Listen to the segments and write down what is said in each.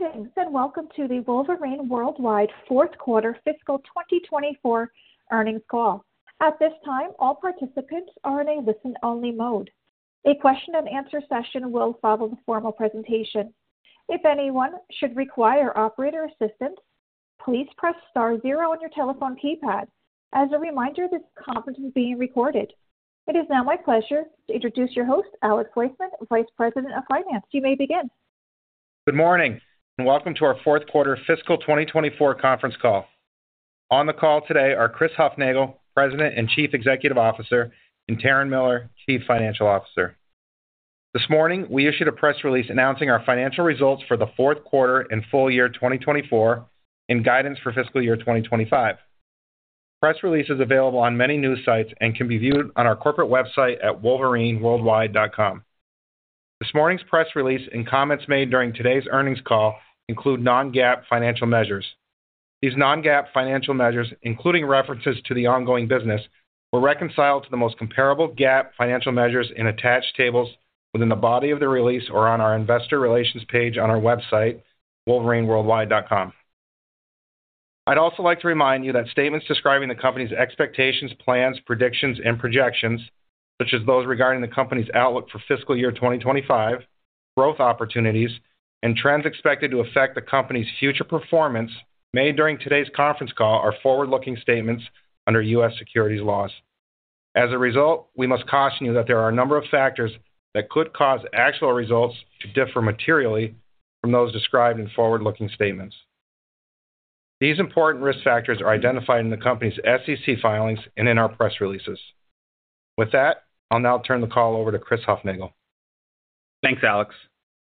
Greetings and welcome to the Wolverine Worldwide Fourth Quarter Fiscal 2024 Earnings Call. At this time, all participants are in a listen-only mode. A question-and-answer session will follow the formal presentation. If anyone should require operator assistance, please "press star zero" on your telephone keypad. As a reminder, this conference is being recorded. It is now my pleasure to introduce your host, Alex Wiseman, Vice President of Finance. You may begin. Good morning and welcome to our Fourth Quarter Fiscal 2024 Conference Call. On the call today are Chris Hufnagel, President and Chief Executive Officer, and Taryn Miller, Chief Financial Officer. This morning, we issued a press release announcing our financial results for the fourth quarter and full year 2024 and guidance for fiscal year 2025. Press releases are available on many news sites and can be viewed on our corporate website at wolverineworldwide.com. This morning's press release and comments made during today's earnings call include non-GAAP financial measures. These non-GAAP financial measures, including references to the ongoing business, were reconciled to the most comparable GAAP financial measures in attached tables within the body of the release or on our Investor Relations page on our website, wolverineworldwide.com. I'd also like to remind you that statements describing the company's expectations, plans, predictions, and projections, such as those regarding the company's outlook for fiscal year 2025, growth opportunities, and trends expected to affect the company's future performance made during today's conference call are forward-looking statements under U.S. securities laws. As a result, we must caution you that there are a number of factors that could cause actual results to differ materially from those described in forward-looking statements. These important risk factors are identified in the company's SEC filings and in our press releases. With that, I'll now turn the call over to Chris Hufnagel. Thanks, Alex.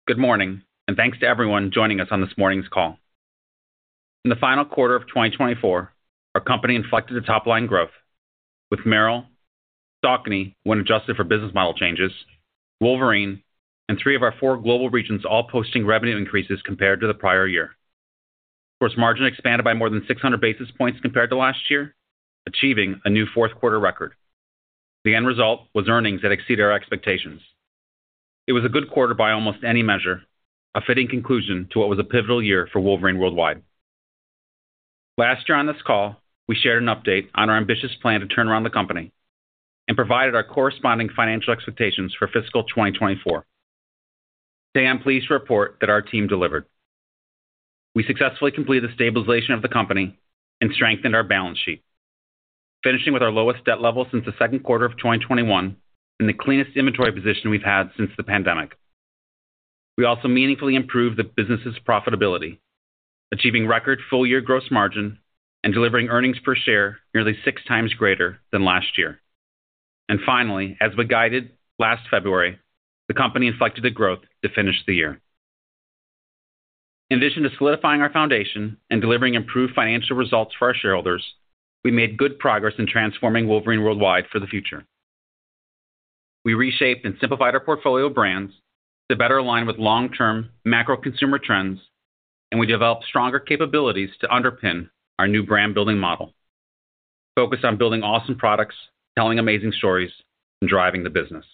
Good morning, and thanks to everyone joining us on this morning's call. In the final quarter of 2024, our company inflected a top-line growth with Merrell, Saucony, when adjusted for business model changes, Wolverine, and three of our four global regions all posting revenue increases compared to the prior year. Gross margin expanded by more than 600 basis points compared to last year, achieving a new fourth quarter record. The end result was earnings that exceeded our expectations. It was a good quarter by almost any measure, a fitting conclusion to what was a pivotal year for Wolverine Worldwide. Last year on this call, we shared an update on our ambitious plan to turn around the company and provided our corresponding financial expectations for fiscal 2024. Today, I'm pleased to report that our team delivered. We successfully completed the stabilization of the company and strengthened our balance sheet, finishing with our lowest debt level since the second quarter of 2021 and the cleanest inventory position we've had since the pandemic. We also meaningfully improved the business's profitability, achieving record full-year gross margin and delivering earnings per share nearly six times greater than last year. And finally, as we guided last February, the company inflected the growth to finish the year. In addition to solidifying our foundation and delivering improved financial results for our shareholders, we made good progress in transforming Wolverine Worldwide for the future. We reshaped and simplified our portfolio brands to better align with long-term macro consumer trends, and we developed stronger capabilities to underpin our new brand-building model, focused on building awesome products, telling amazing stories, and driving the business.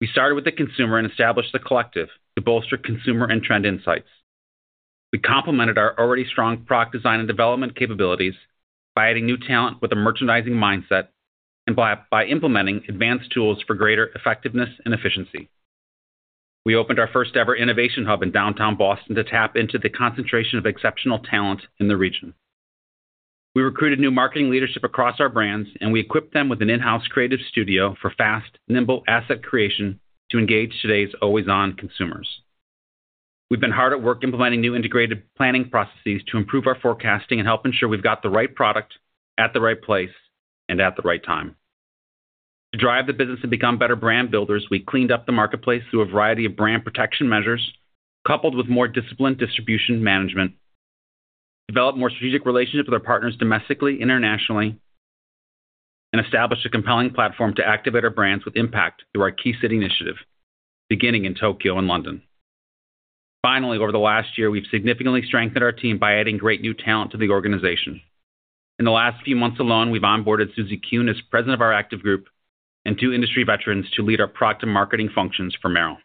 We started with the consumer and established the collective to bolster consumer and trend insights. We complemented our already strong product design and development capabilities by adding new talent with a merchandising mindset and by implementing advanced tools for greater effectiveness and efficiency. We opened our first-ever innovation hub in downtown Boston to tap into the concentration of exceptional talent in the region. We recruited new marketing leadership across our brands, and we equipped them with an in-house creative studio for fast, nimble asset creation to engage today's always-on consumers. We've been hard at work implementing new integrated planning processes to improve our forecasting and help ensure we've got the right product at the right place and at the right time. To drive the business and become better brand builders, we cleaned up the marketplace through a variety of brand protection measures, coupled with more disciplined distribution management, developed more strategic relationships with our partners domestically and internationally, and established a compelling platform to activate our brands with impact through our Key City initiative, beginning in Tokyo and London. Finally, over the last year, we've significantly strengthened our team by adding great new talent to the organization. In the last few months alone, we've onboarded Susie Kuhn as President of our Active Group and two industry veterans to lead our product and marketing functions for Merrell.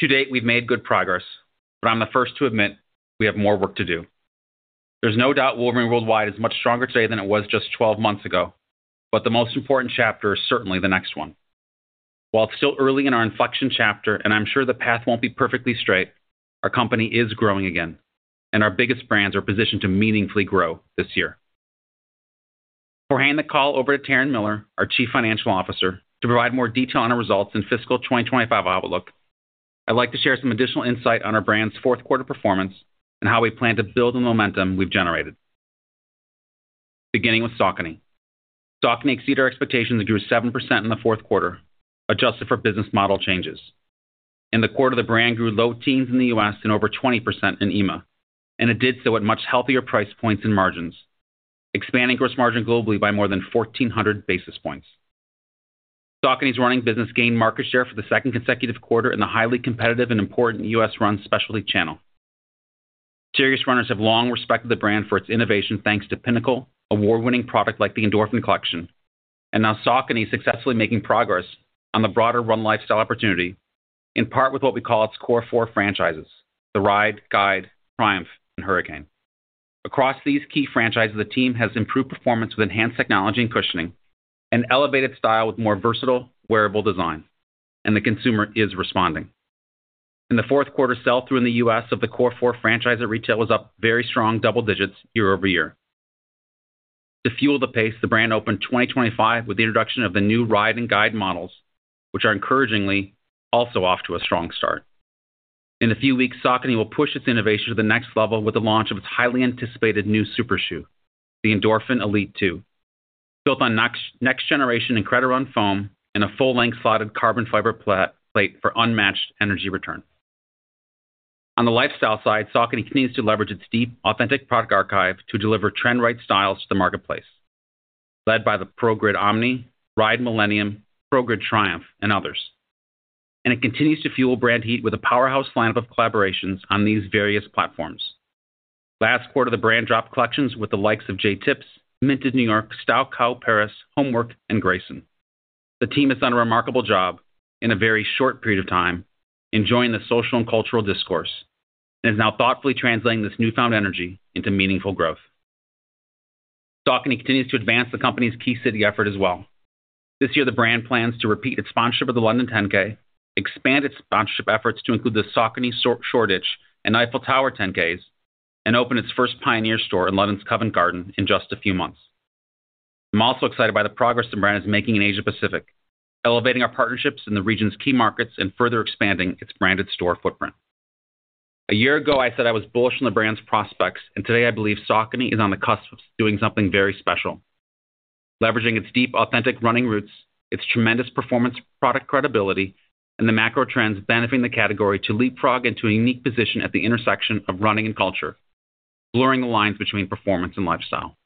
To date, we've made good progress, but I'm the first to admit we have more work to do. There's no doubt Wolverine Worldwide is much stronger today than it was just 12 months ago, but the most important chapter is certainly the next one. While still early in our inflection chapter, and I'm sure the path won't be perfectly straight, our company is growing again, and our biggest brands are positioned to meaningfully grow this year. Before handing the call over to Taryn Miller, our Chief Financial Officer, to provide more detail on our results and fiscal 2025 outlook, I'd like to share some additional insight on our brand's fourth quarter performance and how we plan to build the momentum we've generated. Beginning with Saucony. Saucony exceeded our expectations and grew 7% in the fourth quarter, adjusted for business model changes. In the quarter, the brand grew low teens in the U.S. and over 20% in EMEA, and it did so at much healthier price points and margins, expanding gross margin globally by more than 1,400 basis points. Saucony running business gained market share for the second consecutive quarter in the highly competitive and important U.S. run specialty channel. Serious runners have long respected the brand for its innovation, thanks to pinnacle award-winning product like the Endorphin Collection, and now Saucony successfully making progress on the broader run lifestyle opportunity in part with what we call its core four franchises: the Ride, Guide, Triumph, and Hurricane. Across these key franchises, the team has improved performance with enhanced technology and cushioning, an elevated style with more versatile, wearable design, and the consumer is responding. In the fourth quarter, sell-through in the U.S. of the core four franchises at retail was up very strong double digits year-over-year. To fuel the pace, the brand opened 2025 with the introduction of the new Ride and Guide models, which are encouragingly also off to a strong start. In a few weeks, Saucony will push its innovation to the next level with the launch of its highly anticipated new super shoe, the Endorphin Elite 2, built on next-generation IncrediRun foam and a full-length slotted carbon fiber plate for unmatched energy return. On the lifestyle side, Saucony continues to leverage its deep, authentic product archive to deliver trend-right styles to the marketplace, led by the ProGrid Omni, Ride Millennium, ProGrid Triumph, and others. And it continues to fuel brand heat with a powerhouse lineup of collaborations on these various platforms. Last quarter, the brand dropped collections with the likes of Jae Tips, Minted New York, Starcow Paris, Hommewrk, and Greyson. The team has done a remarkable job in a very short period of time, enjoying the social and cultural discourse, and is now thoughtfully translating this newfound energy into meaningful growth. Saucony continues to advance the company's Key City Initiative as well. This year, the brand plans to repeat its sponsorship of the London 10K, expand its sponsorship efforts to include the Saucony Shoreditch 10K and Eiffel Tower 10K, and open its first Pioneer Store in London's Covent Garden in just a few months. I'm also excited by the progress the brand is making in Asia-Pacific, elevating our partnerships in the region's key markets and further expanding its branded store footprint. A year ago, I said I was bullish on the brand's prospects, and today I believe Saucony is on the cusp of doing something very special, leveraging its deep, authentic running roots, its tremendous performance, product credibility, and the macro trends benefiting the category to leapfrog into a unique position at the intersection of running and culture, blurring the lines between performance and lifestyle.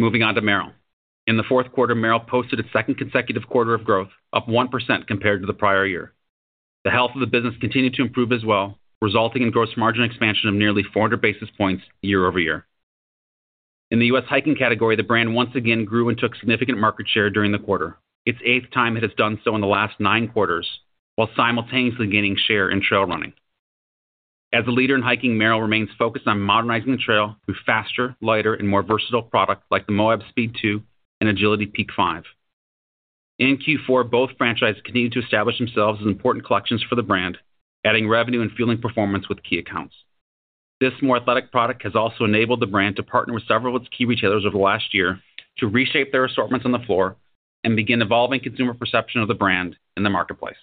Moving on to Merrell, in the fourth quarter, Merrell posted its second consecutive quarter of growth, up 1% compared to the prior year. The health of the business continued to improve as well, resulting in gross margin expansion of nearly 400 basis points year over year. In the U.S. hiking category, the brand once again grew and took significant market share during the quarter, its eighth time it has done so in the last nine quarters, while simultaneously gaining share in trail running. As a leader in hiking, Merrell remains focused on modernizing the trail through faster, lighter, and more versatile products like the Moab Speed 2 and Agility Peak 5. In Q4, both franchises continued to establish themselves as important collections for the brand, adding revenue and fueling performance with key accounts. This more athletic product has also enabled the brand to partner with several of its key retailers over the last year to reshape their assortments on the floor and begin evolving consumer perception of the brand in the marketplace.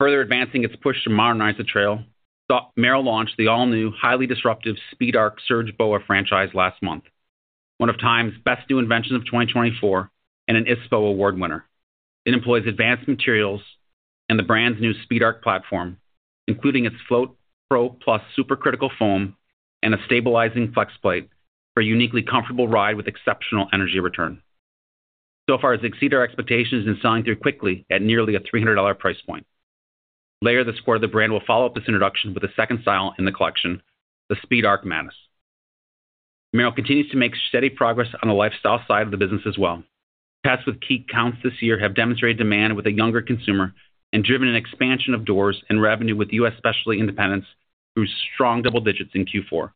Further advancing its push to modernize the trail, Merrell launched the all-new, highly disruptive SpeedArc Surge BOA franchise last month, one of TIME's Best new inventions of 2024 and an ISPO Award winner. It employs advanced materials and the brand's new SpeedArc platform, including its FloatPro Plus Supercritical Foam and a stabilizing flex plate for a uniquely comfortable ride with exceptional energy return. So far, it has exceeded our expectations and is selling through quickly at nearly a $300 price point. Later this quarter, the brand will follow up this introduction with a second style in the collection, the SpeedArc Madness. Merrell continues to make steady progress on the lifestyle side of the business as well. Tests with key counts this year have demonstrated demand with a younger consumer and driven an expansion of doors and revenue with U.S. specialty independents through strong double digits in Q4.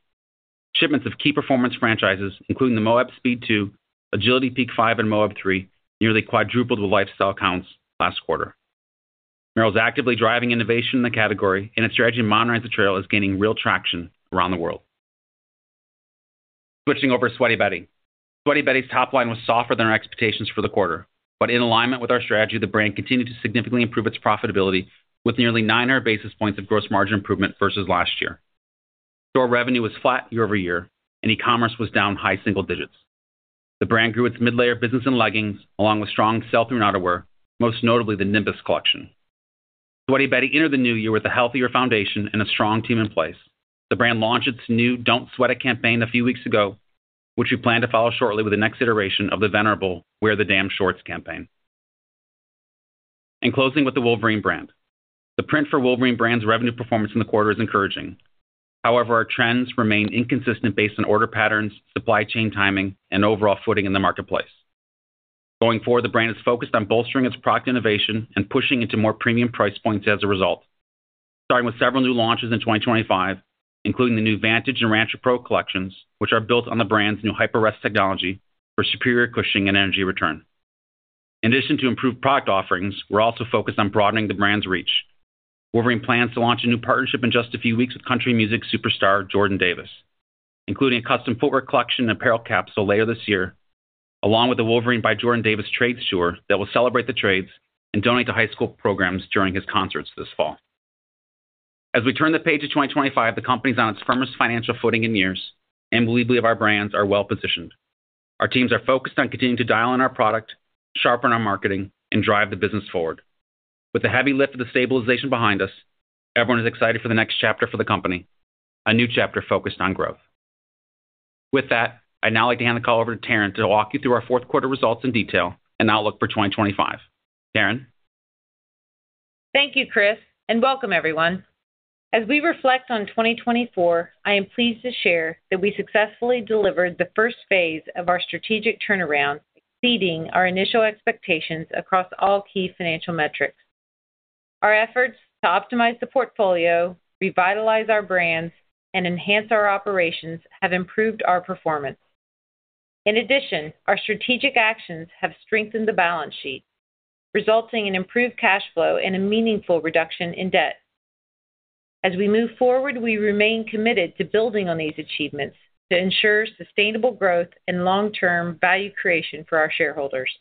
Shipments of key performance franchises, including the Moab Speed 2, Agility Peak 5, and Moab 3, nearly quadrupled with lifestyle counts last quarter. Merrell is actively driving innovation in the category, and its strategy to modernize the trail is gaining real traction around the world. Switching over to Sweaty Betty. Sweaty Betty's top line was softer than our expectations for the quarter, but in alignment with our strategy, the brand continued to significantly improve its profitability with nearly 900 basis points of gross margin improvement versus last year. Store revenue was flat year-over-year, and e-commerce was down high single digits. The brand grew its mid-layer business and leggings along with strong sell-through knitwear, most notably the Nimbus collection. Sweaty Betty entered the new year with a healthier foundation and a strong team in place. The brand launched its new Don't Sweat It campaign a few weeks ago, which we plan to follow shortly with the next iteration of the venerable Wear the Damn Shorts campaign. In closing with the Wolverine brand, the print for Wolverine brand's revenue performance in the quarter is encouraging. However, our trends remain inconsistent based on order patterns, supply chain timing, and overall footing in the marketplace. Going forward, the brand is focused on bolstering its product innovation and pushing into more premium price points as a result, starting with several new launches in 2025, including the new Vantage and Rancher Pro collections, which are built on the brand's new HyperRest technology for superior cushioning and energy return. In addition to improved product offerings, we're also focused on broadening the brand's reach. Wolverine plans to launch a new partnership in just a few weeks with country music superstar Jordan Davis, including a custom footwear collection and apparel capsule later this year, along with the Wolverine by Jordan Davis trade show that will celebrate the trades and donate to high school programs during his concerts this fall. As we turn the page to 2025, the company is on its firmest financial footing in years, and we believe our brands are well positioned. Our teams are focused on continuing to dial in our product, sharpen our marketing, and drive the business forward. With the heavy lift of the stabilization behind us, everyone is excited for the next chapter for the company, a new chapter focused on growth. With that, I'd now like to hand the call over to Taryn to walk you through our fourth quarter results in detail and outlook for 2025. Taryn. Thank you, Chris, and welcome everyone. As we reflect on 2024, I am pleased to share that we successfully delivered the first phase of our strategic turnaround, exceeding our initial expectations across all key financial metrics. Our efforts to optimize the portfolio, revitalize our brands, and enhance our operations have improved our performance. In addition, our strategic actions have strengthened the balance sheet, resulting in improved cash flow and a meaningful reduction in debt. As we move forward, we remain committed to building on these achievements to ensure sustainable growth and long-term value creation for our shareholders.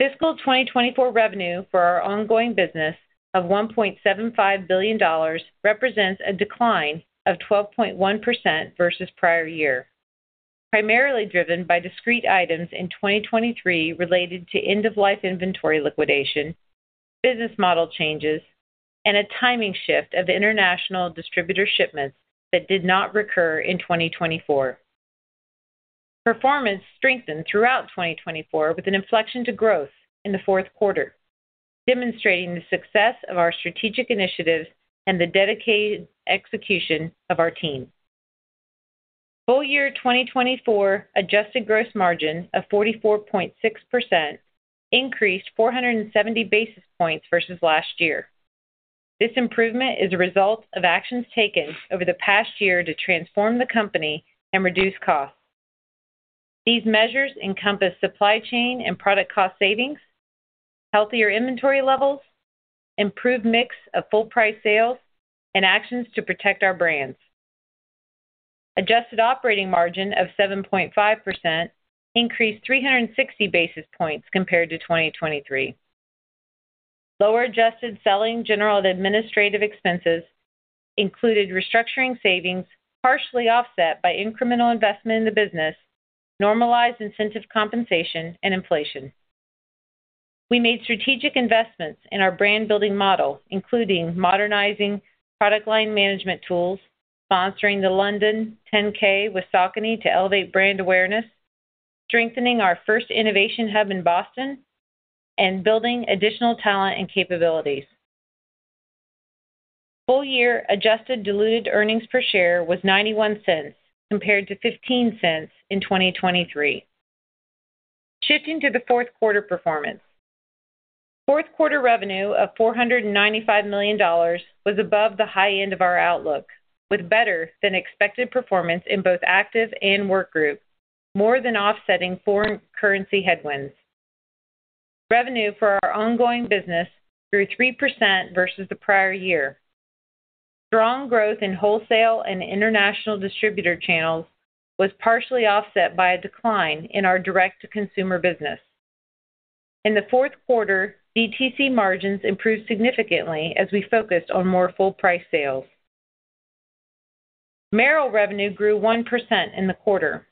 Fiscal 2024 revenue for our ongoing business of $1.75 billion represents a decline of 12.1% versus prior year, primarily driven by discrete items in 2023 related to end-of-life inventory liquidation, business model changes, and a timing shift of international distributor shipments that did not recur in 2024. Performance strengthened throughout 2024 with an inflection to growth in the fourth quarter, demonstrating the success of our strategic initiatives and the dedicated execution of our team. Full year 2024 adjusted gross margin of 44.6% increased 470 basis points versus last year. This improvement is a result of actions taken over the past year to transform the company and reduce costs. These measures encompass supply chain and product cost savings, healthier inventory levels, improved mix of full-price sales, and actions to protect our brands. Adjusted operating margin of 7.5% increased 360 basis points compared to 2023. Lower adjusted selling general administrative expenses included restructuring savings, partially offset by incremental investment in the business, normalized incentive compensation, and inflation. We made strategic investments in our brand building model, including modernizing product line management tools, sponsoring the London 10K with Saucony to elevate brand awareness, strengthening our first innovation hub in Boston, and building additional talent and capabilities. Full year adjusted diluted earnings per share was $0.91 compared to $0.15 in 2023. Shifting to the fourth quarter performance, fourth quarter revenue of $495 million was above the high end of our outlook, with better than expected performance in both Active and Work Group, more than offsetting foreign currency headwinds. Revenue for our ongoing business grew 3% versus the prior year. Strong growth in wholesale and international distributor channels was partially offset by a decline in our direct-to-consumer business. In the fourth quarter, DTC margins improved significantly as we focused on more full-price sales. Merrell revenue grew 1% in the quarter,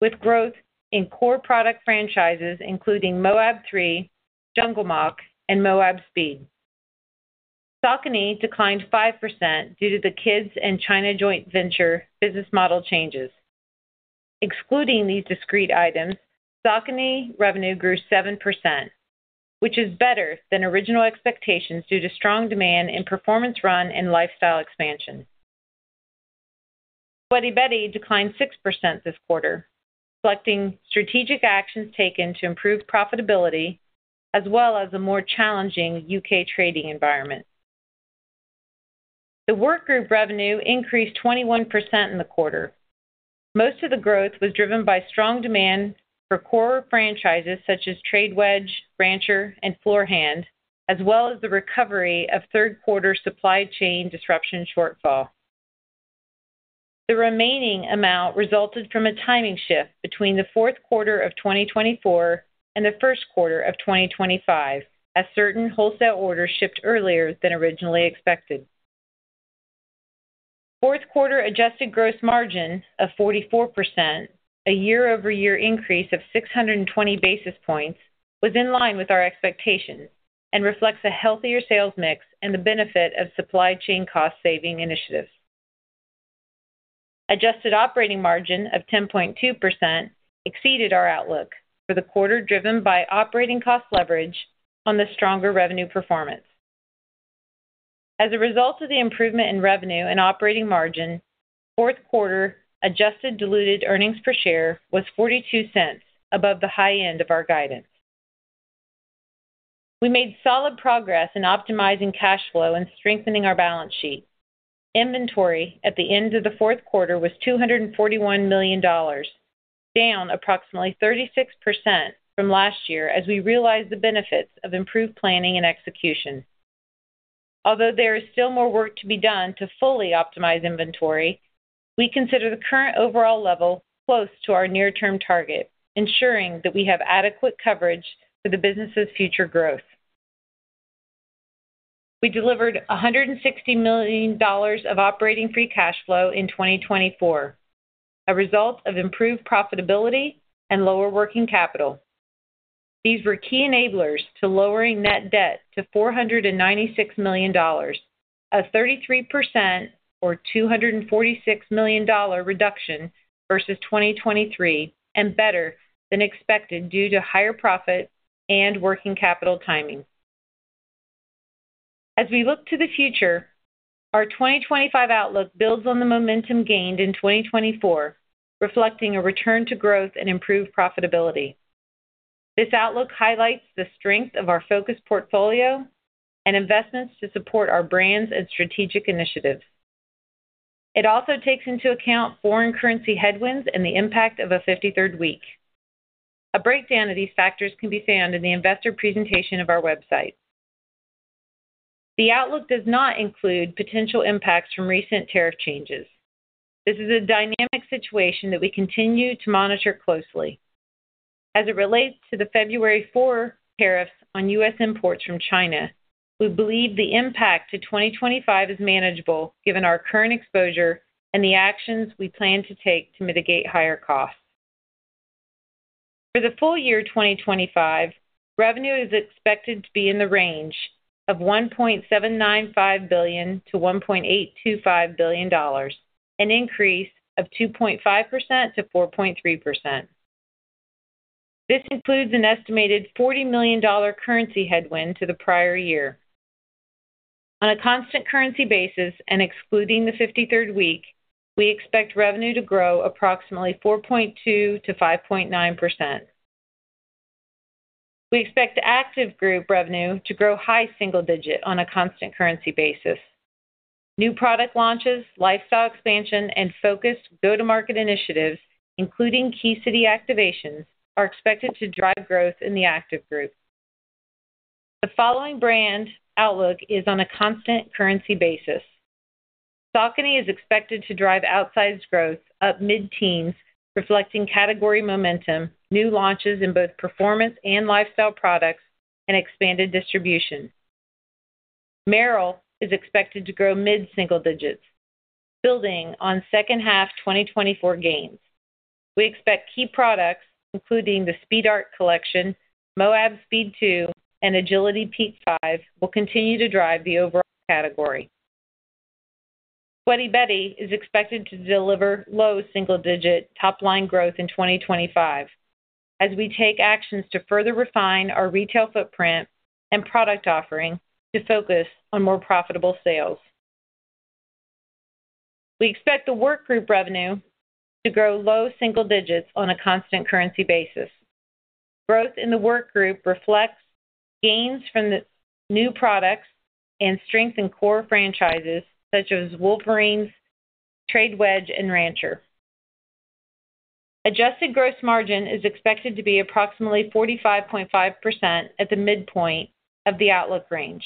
with growth in core product franchises including Moab 3, Jungle Moc, and Moab Speed 2. Saucony declined 5% due to the Kids and China Joint Venture business model changes. Excluding these discrete items, Saucony revenue grew 7%, which is better than original expectations due to strong demand and performance run and lifestyle expansion. Sweaty Betty declined 6% this quarter, reflecting strategic actions taken to improve profitability as well as a more challenging UK trading environment. The Work Group revenue increased 21% in the quarter. Most of the growth was driven by strong demand for core franchises such as Trade Wedge, Rancher, and Floorhand, as well as the recovery of third quarter supply chain disruption shortfall. The remaining amount resulted from a timing shift between the fourth quarter of 2024 and the first quarter of 2025, as certain wholesale orders shipped earlier than originally expected. Fourth quarter adjusted gross margin of 44%, a year-over-year increase of 620 basis points, was in line with our expectations and reflects a healthier sales mix and the benefit of supply chain cost-saving initiatives. Adjusted operating margin of 10.2% exceeded our outlook for the quarter driven by operating cost leverage on the stronger revenue performance. As a result of the improvement in revenue and operating margin, fourth quarter adjusted diluted earnings per share was $0.42 above the high end of our guidance. We made solid progress in optimizing cash flow and strengthening our balance sheet. Inventory at the end of the fourth quarter was $241 million, down approximately 36% from last year as we realized the benefits of improved planning and execution. Although there is still more work to be done to fully optimize inventory, we consider the current overall level close to our near-term target, ensuring that we have adequate coverage for the business's future growth. We delivered $160 million of operating free cash flow in 2024, a result of improved profitability and lower working capital. These were key enablers to lowering net debt to $496 million, a 33% or $246 million reduction versus 2023, and better than expected due to higher profit and working capital timing. As we look to the future, our 2025 outlook builds on the momentum gained in 2024, reflecting a return to growth and improved profitability. This outlook highlights the strength of our focused portfolio and investments to support our brands and strategic initiatives. It also takes into account foreign currency headwinds and the impact of a 53rd week. A breakdown of these factors can be found in the investor presentation of our website. The outlook does not include potential impacts from recent tariff changes. This is a dynamic situation that we continue to monitor closely. As it relates to the February 4 tariffs on U.S. imports from China, we believe the impact to 2025 is manageable given our current exposure and the actions we plan to take to mitigate higher costs. For the full year 2025, revenue is expected to be in the range of $1.795 billion-$1.825 billion, an increase of 2.5%-4.3%. This includes an estimated $40 million currency headwind to the prior year. On a constant currency basis and excluding the 53rd week, we expect revenue to grow approximately 4.2% to 5.9%. We expect Active group revenue to grow high single digit on a constant currency basis. New product launches, lifestyle expansion, and focused go-to-market initiatives, including key city activations, are expected to drive growth in the Active group. The following brand outlook is on a constant currency basis. Saucony is expected to drive outsized growth up mid-teens, reflecting category momentum, new launches in both performance and lifestyle products, and expanded distribution. Merrell is expected to grow mid-single digits, building on second-half 2024 gains. We expect key products, including the SpeedArc collection, Moab Speed 2, and Agility Peak 5, will continue to drive the overall category. Sweaty Betty is expected to deliver low single-digit top-line growth in 2025 as we take actions to further refine our retail footprint and product offering to focus on more profitable sales. We expect the Work Group revenue to grow low single digits on a constant currency basis. Growth in the Work Group reflects gains from the new products and strengthened core franchises such as Wolverine's, Trade Wedge, and Rancher. Adjusted gross margin is expected to be approximately 45.5% at the midpoint of the outlook range,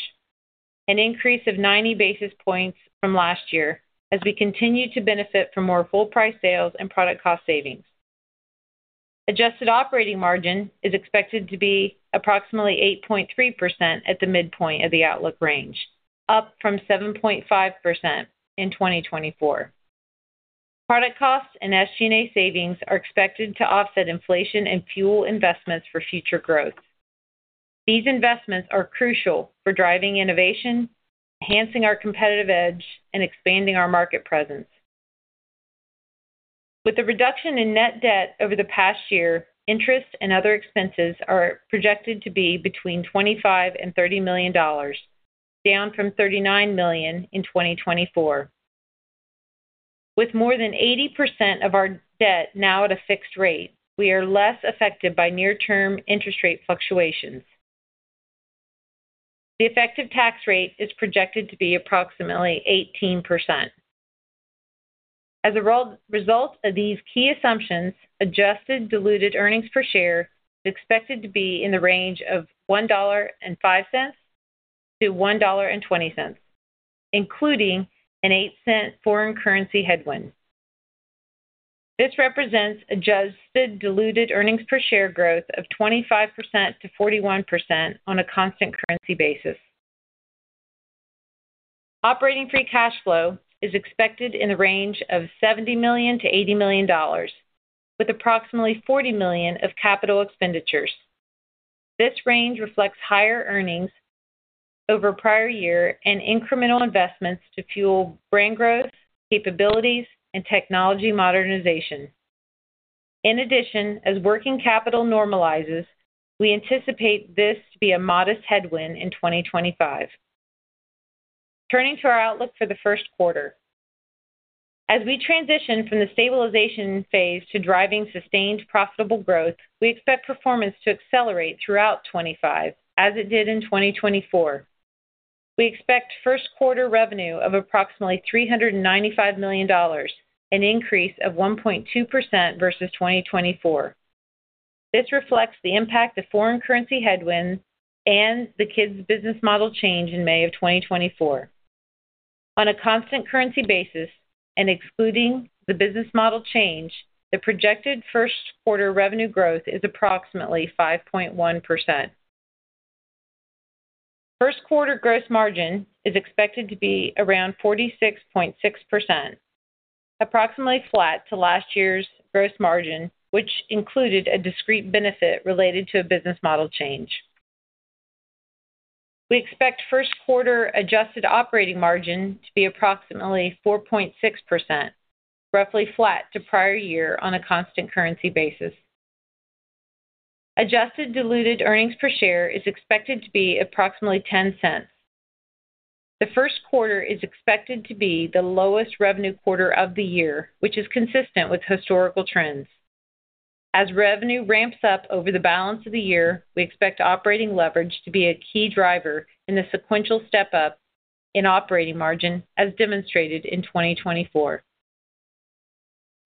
an increase of 90 basis points from last year as we continue to benefit from more full-price sales and product cost savings. Adjusted operating margin is expected to be approximately 8.3% at the midpoint of the outlook range, up from 7.5% in 2024. Product costs and SG&A savings are expected to offset inflation and fuel investments for future growth. These investments are crucial for driving innovation, enhancing our competitive edge, and expanding our market presence. With the reduction in net debt over the past year, interest and other expenses are projected to be between $25-$30 million, down from $39 million in 2024. With more than 80% of our debt now at a fixed rate, we are less affected by near-term interest rate fluctuations. The effective tax rate is projected to be approximately 18%. As a result of these key assumptions, adjusted diluted earnings per share is expected to be in the range of $1.05-$1.20, including a $0.08 foreign currency headwind. This represents adjusted diluted earnings per share growth of 25%-41% on a constant currency basis. Operating free cash flow is expected in the range of $70-$80 million, with approximately $40 million of capital expenditures. This range reflects higher earnings over prior year and incremental investments to fuel brand growth, capabilities, and technology modernization. In addition, as working capital normalizes, we anticipate this to be a modest headwind in 2025. Turning to our outlook for the first quarter. As we transition from the stabilization phase to driving sustained profitable growth, we expect performance to accelerate throughout 2025, as it did in 2024. We expect first quarter revenue of approximately $395 million, an increase of 1.2% versus 2024. This reflects the impact of foreign currency headwinds and the kids' business model change in May of 2024. On a constant currency basis and excluding the business model change, the projected first quarter revenue growth is approximately 5.1%. First quarter gross margin is expected to be around 46.6%, approximately flat to last year's gross margin, which included a discrete benefit related to a business model change. We expect first quarter adjusted operating margin to be approximately 4.6%, roughly flat to prior year on a constant currency basis. Adjusted diluted earnings per share is expected to be approximately $0.10. The first quarter is expected to be the lowest revenue quarter of the year, which is consistent with historical trends. As revenue ramps up over the balance of the year, we expect operating leverage to be a key driver in the sequential step-up in operating margin, as demonstrated in 2024.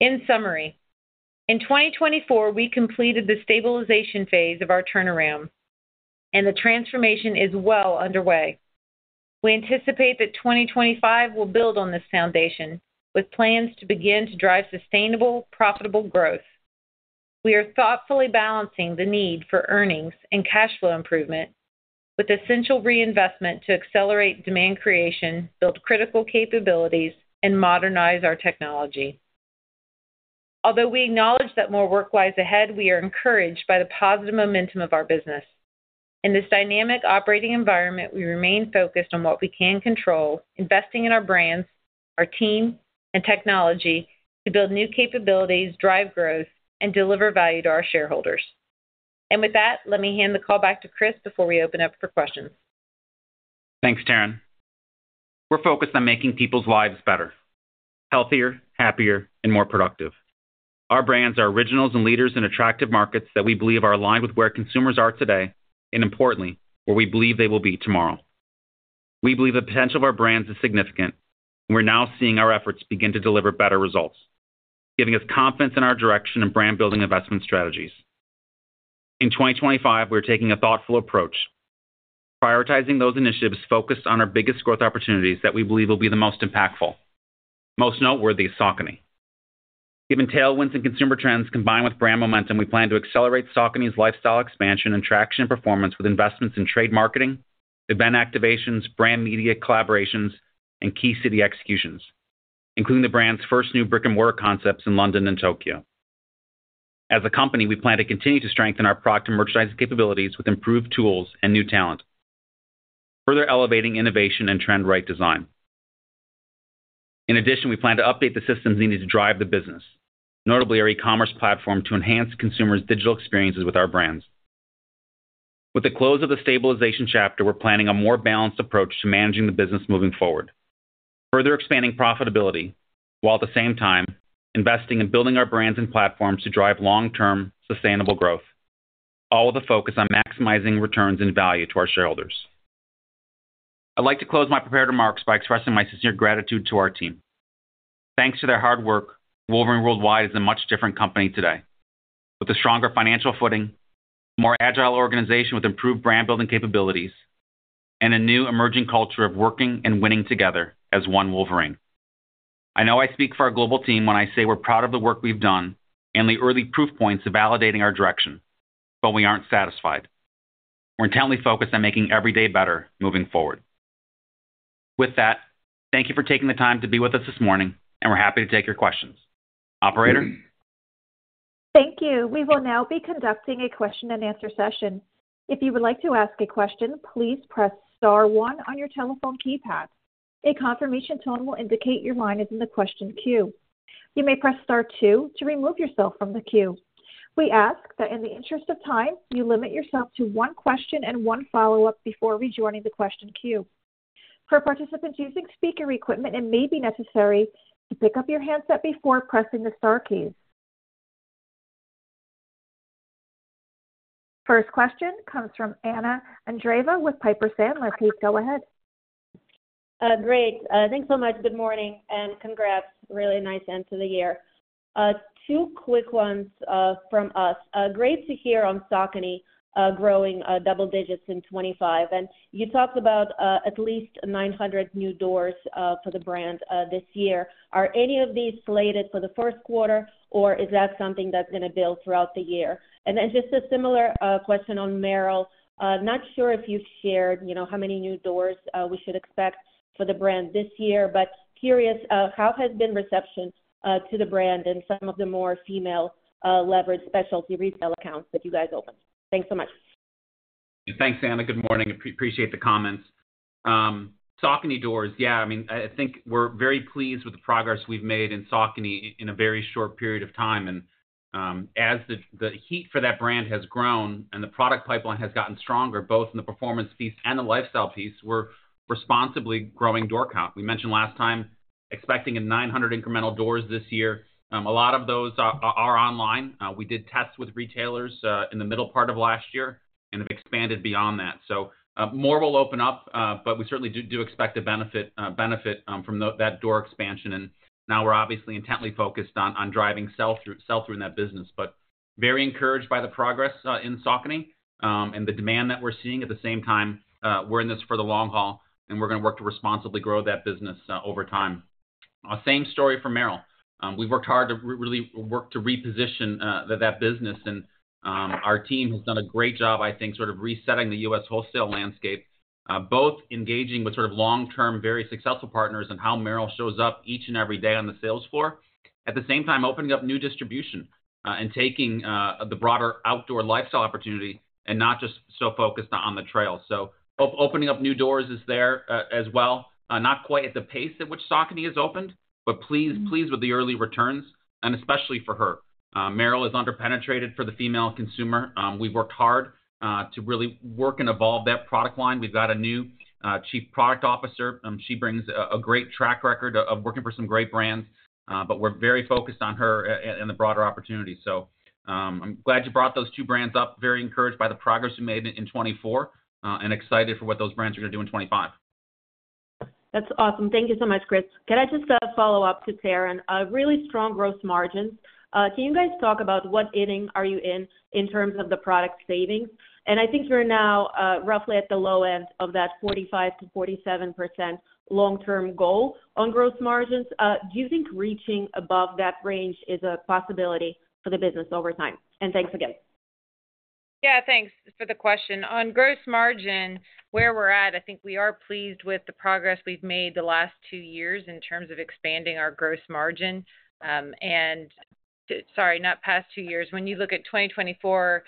In summary, in 2024, we completed the stabilization phase of our turnaround, and the transformation is well underway. We anticipate that 2025 will build on this foundation, with plans to begin to drive sustainable, profitable growth. We are thoughtfully balancing the need for earnings and cash flow improvement with essential reinvestment to accelerate demand creation, build critical capabilities, and modernize our technology. Although we acknowledge that more work lies ahead, we are encouraged by the positive momentum of our business. In this dynamic operating environment, we remain focused on what we can control, investing in our brands, our team, and technology to build new capabilities, drive growth, and deliver value to our shareholders. And with that, let me hand the call back to Chris before we open up for questions. Thanks, Taryn. We're focused on making people's lives better: healthier, happier, and more productive. Our brands are originals and leaders in attractive markets that we believe are aligned with where consumers are today and, importantly, where we believe they will be tomorrow. We believe the potential of our brands is significant, and we're now seeing our efforts begin to deliver better results, giving us confidence in our direction and brand-building investment strategies. In 2025, we are taking a thoughtful approach, prioritizing those initiatives focused on our biggest growth opportunities that we believe will be the most impactful. Most noteworthy is Saucony. Given tailwinds and consumer trends combined with brand momentum, we plan to accelerate Saucony's lifestyle expansion and traction in performance with investments in trade marketing, event activations, brand media collaborations, and key city executions, including the brand's first new brick-and-mortar concepts in London and Tokyo. As a company, we plan to continue to strengthen our product and merchandising capabilities with improved tools and new talent, further elevating innovation and trend-right design. In addition, we plan to update the systems needed to drive the business, notably our e-commerce platform, to enhance consumers' digital experiences with our brands. With the close of the stabilization chapter, we're planning a more balanced approach to managing the business moving forward, further expanding profitability while at the same time investing in building our brands and platforms to drive long-term sustainable growth, all with a focus on maximizing returns and value to our shareholders. I'd like to close my prepared remarks by expressing my sincere gratitude to our team. Thanks to their hard work, Wolverine World Wide is a much different company today, with a stronger financial footing, a more agile organization with improved brand-building capabilities, and a new emerging culture of working and winning together as one Wolverine. I know I speak for our global team when I say we're proud of the work we've done and the early proof points of validating our direction, but we aren't satisfied. We're intently focused on making every day better moving forward. With that, thank you for taking the time to be with us this morning, and we're happy to take your questions. Operator? Thank you. We will now be conducting a question-and-answer session. If you would like to ask a question, please "press star one" on your telephone keypad. A confirmation tone will indicate your line is in the question queue. You may "press star two" to remove yourself from the queue. We ask that in the interest of time, you limit yourself to one question and one follow-up before rejoining the question queue. For participants using speaker equipment, it may be necessary to pick up your handset before pressing the star keys. First question comes from Anna Andreeva with Piper Sandler. Please go ahead. Great. Thanks so much. Good morning and congrats. Really nice end to the year. Two quick ones from us. Great to hear on Saucony growing double digits in 2025. And you talked about at least 900 new doors for the brand this year. Are any of these slated for the first quarter, or is that something that's going to build throughout the year? And then just a similar question on Merrell. Not sure if you've shared how many new doors we should expect for the brand this year, but curious how has been reception to the brand and some of the more female-leveraged specialty retail accounts that you guys opened? Thanks so much. Thanks, Anna. Good morning. Appreciate the comments. Saucony doors, yeah. I mean, I think we're very pleased with the progress we've made in Saucony in a very short period of time. As the heat for that brand has grown and the product pipeline has gotten stronger, both in the performance piece and the lifestyle piece, we're responsibly growing door count. We mentioned last time expecting 900 incremental doors this year. A lot of those are online. We did test with retailers in the middle part of last year and have expanded beyond that. So more will open up, but we certainly do expect a benefit from that door expansion. And now we're obviously intently focused on driving sell-through in that business, but very encouraged by the progress in Saucony and the demand that we're seeing. At the same time, we're in this for the long haul, and we're going to work to responsibly grow that business over time. Same story for Merrell. We've worked hard to really work to reposition that business, and our team has done a great job, I think, sort of resetting the U.S. wholesale landscape, both engaging with sort of long-term, very successful partners and how Merrell shows up each and every day on the sales floor. At the same time, opening up new distribution and taking the broader outdoor lifestyle opportunity and not just so focused on the trail. So opening up new doors is there as well. Not quite at the pace at which Saucony has opened, but pleased with the early returns, and especially for her. Merrell is under-penetrated for the female consumer. We've worked hard to really work and evolve that product line. We've got a new chief product officer. She brings a great track record of working for some great brands, but we're very focused on her and the broader opportunity. So I'm glad you brought those two brands up. Very encouraged by the progress we made in 2024 and excited for what those brands are going to do in 2025. That's awesome. Thank you so much, Chris. Can I just follow up to Taryn? Really strong gross margins. Can you guys talk about what inning are you in in terms of the product savings? And I think you're now roughly at the low end of that 45%-47% long-term goal on gross margins. Do you think reaching above that range is a possibility for the business over time? And thanks again. Yeah, thanks for the question. On gross margin, where we're at, I think we are pleased with the progress we've made the last two years in terms of expanding our gross margin. And sorry, not past two years. When you look at 2024,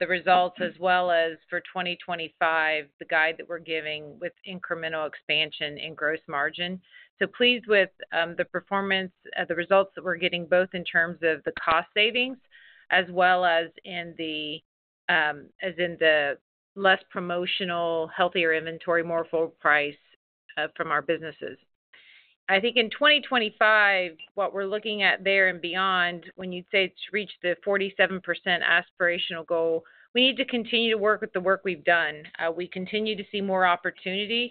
the results as well as for 2025, the guide that we're giving with incremental expansion in gross margin, so pleased with the performance, the results that we're getting both in terms of the cost savings as well as in the less promotional, healthier inventory, more full price from our businesses. I think in 2025, what we're looking at there and beyond, when you'd say it's reached the 47% aspirational goal, we need to continue to work with the work we've done. We continue to see more opportunity,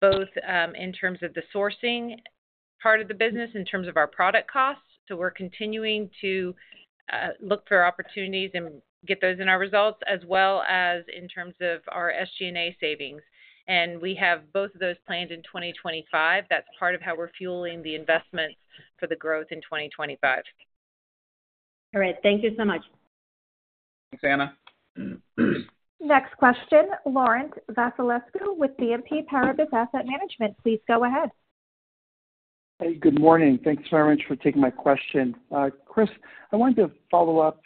both in terms of the sourcing part of the business, in terms of our product costs, so we're continuing to look for opportunities and get those in our results, as well as in terms of our SG&A savings, and we have both of those planned in 2025. That's part of how we're fueling the investments for the growth in 2025. All right. Thank you so much. Thanks, Anna. Next question, Laurent Vasilescu with BNP Paribas Exane. Please go ahead. Hey, good morning. Thanks very much for taking my question. Chris, I wanted to follow up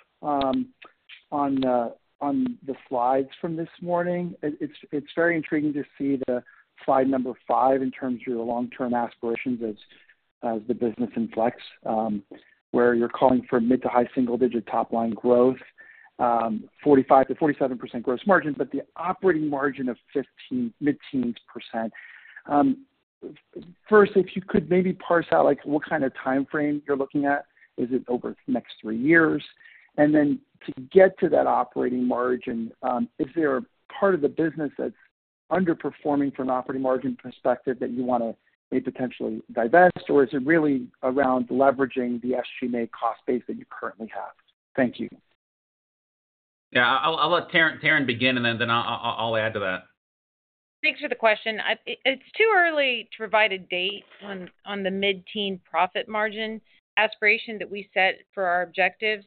on the slides from this morning. It's very intriguing to see the slide number five in terms of your long-term aspirations as the business inflects, where you're calling for mid to high single-digit top-line growth, 45% to 47% gross margin, but the operating margin of 15 mid-teens %. First, if you could maybe parse out what kind of timeframe you're looking at. Is it over the next three years? And then to get to that operating margin, is there a part of the business that's underperforming from an operating margin perspective that you want to maybe potentially divest, or is it really around leveraging the SG&A cost base that you currently have? Thank you. Yeah, I'll let Taryn begin and then I'll add to that. Thanks for the question. It's too early to provide a date on the mid-teens profit margin aspiration that we set for our objectives.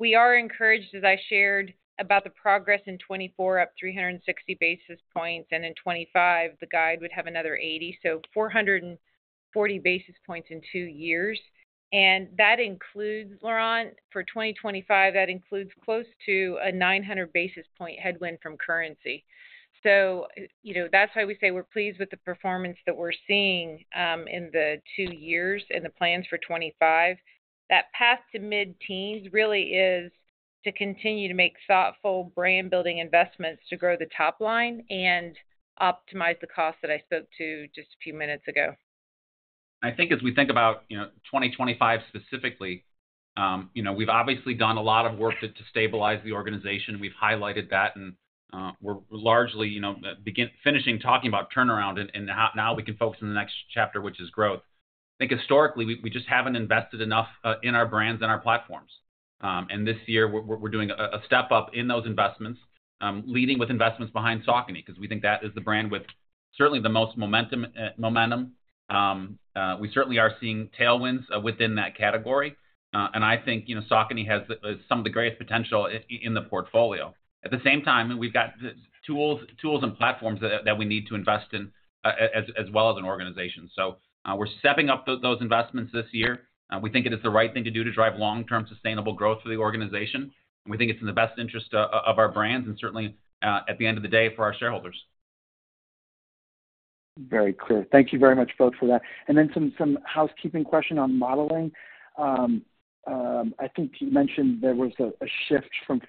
We are encouraged, as I shared, about the progress in 2024, up 360 basis points, and in 2025, the guide would have another 80, so 440 basis points in two years. And that includes, Laurent, for 2025, that includes close to a 900 basis point headwind from currency. So that's why we say we're pleased with the performance that we're seeing in the two years and the plans for 2025. That path to mid-teens really is to continue to make thoughtful brand-building investments to grow the top line and optimize the cost that I spoke to just a few minutes ago. I think as we think about 2025 specifically, we've obviously done a lot of work to stabilize the organization. We've highlighted that, and we're largely finishing talking about turnaround, and now we can focus on the next chapter, which is growth. I think historically, we just haven't invested enough in our brands and our platforms. And this year, we're doing a step up in those investments, leading with investments behind Saucony because we think that is the brand with certainly the most momentum. We certainly are seeing tailwinds within that category. And I think Saucony has some of the greatest potential in the portfolio. At the same time, we've got tools and platforms that we need to invest in as well as an organization. So we're stepping up those investments this year. We think it is the right thing to do to drive long-term sustainable growth for the organization. We think it's in the best interest of our brands and certainly at the end of the day for our shareholders. Very clear. Thank you very much, both, for that. And then some housekeeping question on modeling. I think you mentioned there was a shift from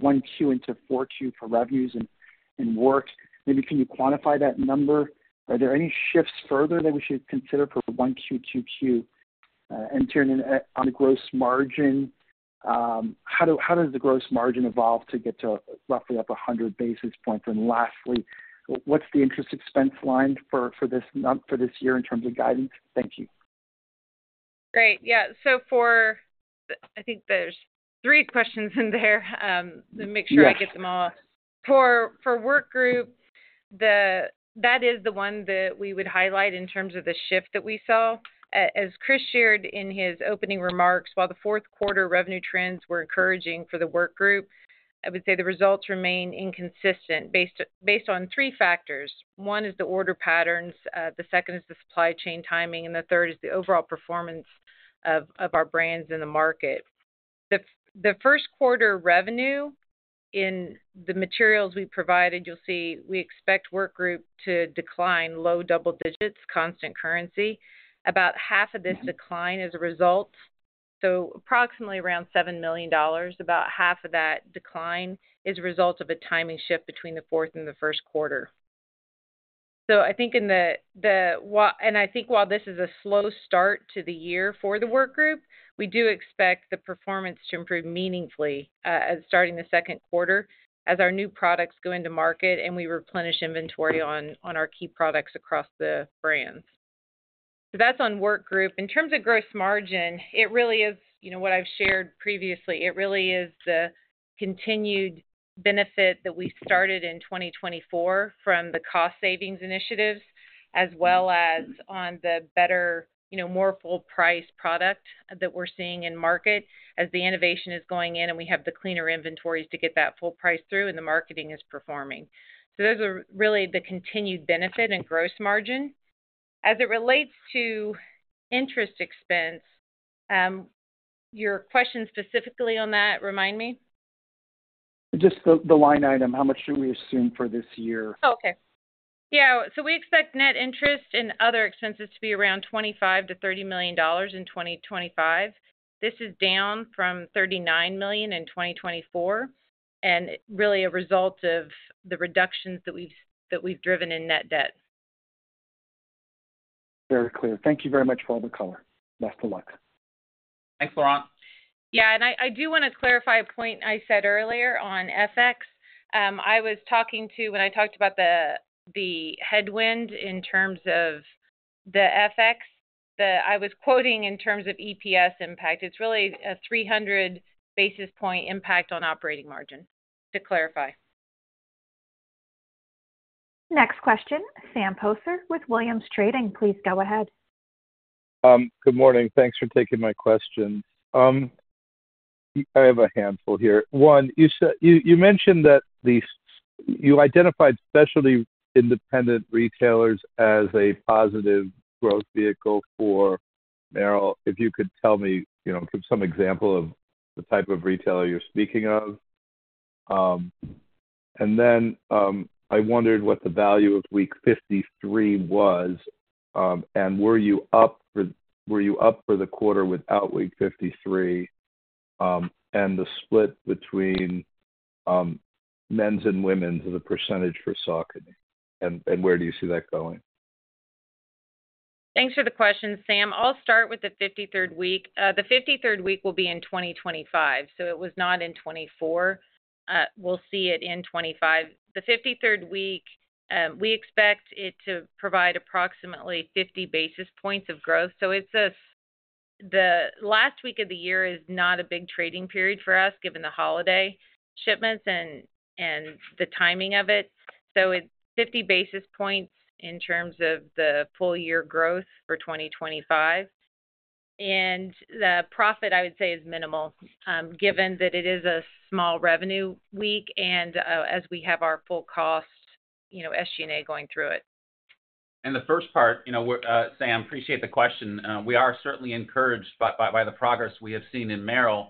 one Q1 into Q4 for revenues and work. Maybe can you quantify that number? Are there any shifts further that we should consider for Q1, into Q2? And Taryn, on the gross margin, how does the gross margin evolve to get to roughly up 100 basis points? And lastly, what's the interest expense line for this year in terms of guidance? Thank you. Great. Yeah. So I think there's three questions in there. Let me make sure I get them all. For Work Group, that is the one that we would highlight in terms of the shift that we saw. As Chris shared in his opening remarks, while the fourth quarter revenue trends were encouraging for the Work Group, I would say the results remain inconsistent based on three factors. One is the order patterns. The second is the supply chain timing, and the third is the overall performance of our brands in the market. The first quarter revenue in the materials we provided, you'll see we expect Work Group to decline, low double digits, constant currency. About half of this decline is a result. Approximately around $7 million, about half of that decline is a result of a timing shift between the fourth and the first quarter. I think while this is a slow start to the year for the Work Group, we do expect the performance to improve meaningfully starting the second quarter as our new products go into market and we replenish inventory on our key products across the brands. That's on Work Group. In terms of gross margin, it really is what I've shared previously. It really is the continued benefit that we started in 2024 from the cost savings initiatives, as well as on the better, more full price product that we're seeing in market as the innovation is going in and we have the cleaner inventories to get that full price through and the marketing is performing. So those are really the continued benefit and gross margin. As it relates to interest expense, your question specifically on that, remind me. Just the line item. How much should we assume for this year? Oh, okay. Yeah. So we expect net interest and other expenses to be around $25-$30 million in 2025. This is down from $39 million in 2024 and really a result of the reductions that we've driven in net debt. Very clear. Thank you very much for all the color. Best of luck. Thanks, Laurent. Yeah. And I do want to clarify a point I said earlier on FX. I was talking to, when I talked about the headwind in terms of the FX, I was quoting in terms of EPS impact. It's really a 300 basis points impact on operating margin, to clarify. Next question, Sam Poser with Williams Trading. Please go ahead. Good morning. Thanks for taking my questions. I have a handful here. One, you mentioned that you identified specialty independent retailers as a positive growth vehicle for Merrell. If you could tell me, give some example of the type of retailer you're speaking of. And then I wondered what the value of week 53 was, and were you up for the quarter without week 53 and the split between men's and women's as a percentage for Saucony? And where do you see that going? Thanks for the question, Sam. I'll start with the 53rd week. The 53rd week will be in 2025, so it was not in 2024. We'll see it in 2025. The 53rd week, we expect it to provide approximately 50 basis points of growth. So, the last week of the year is not a big trading period for us, given the holiday shipments and the timing of it. So, 50 basis points in terms of the full year growth for 2025. And the profit, I would say, is minimal, given that it is a small revenue week and as we have our full cost SG&A going through it. And the first part, Sam, appreciate the question. We are certainly encouraged by the progress we have seen in Merrell,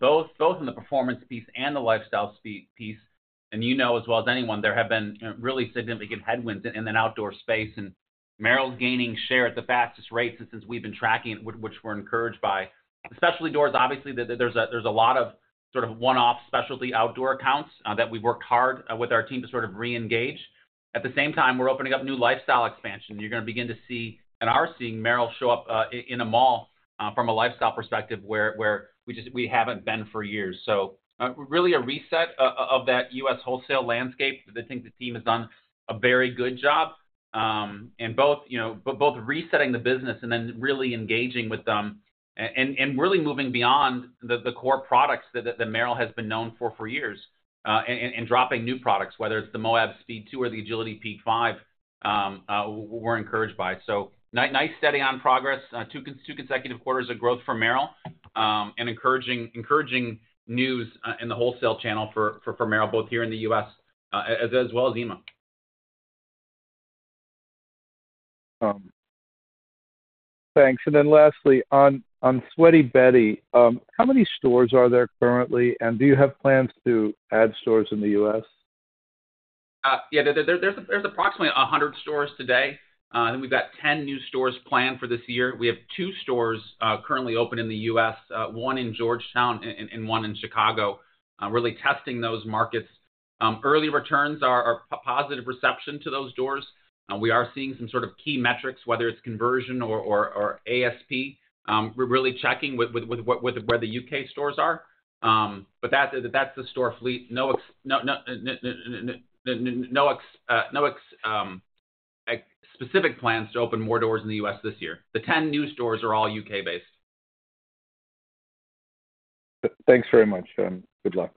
both in the performance piece and the lifestyle piece. And you know as well as anyone, there have been really significant headwinds in the outdoor space, and Merrell's gaining share at the fastest rates since we've been tracking it, which we're encouraged by. Specialty doors, obviously, there's a lot of sort of one-off specialty outdoor accounts that we've worked hard with our team to sort of re-engage. At the same time, we're opening up new lifestyle expansion. You're going to begin to see and are seeing Merrell show up in a mall from a lifestyle perspective where we haven't been for years. So really a reset of that U.S. wholesale landscape. I think the team has done a very good job in both resetting the business and then really engaging with them and really moving beyond the core products that Merrell has been known for for years and dropping new products, whether it's the Moab Speed 2 or the Agility Peak 5, we're encouraged by. So, nice steady on progress, two consecutive quarters of growth for Merrell and encouraging news in the wholesale channel for Merrell, both here in the U.S. as well as EMEA. Thanks. And then lastly, on Sweaty Betty, how many stores are there currently, and do you have plans to add stores in the U.S.? Yeah, there's approximately 100 stores today. I think we've got 10 new stores planned for this year. We have two stores currently open in the U.S., one in Georgetown and one in Chicago, really testing those markets. Early returns are positive reception to those doors. We are seeing some sort of key metrics, whether it's conversion or ASP, really checking with where the U.K. stores are. But that's the store fleet. No specific plans to open more doors in the U.S. this year. The 10 new stores are all U.K.-based. Thanks very much. Good luck.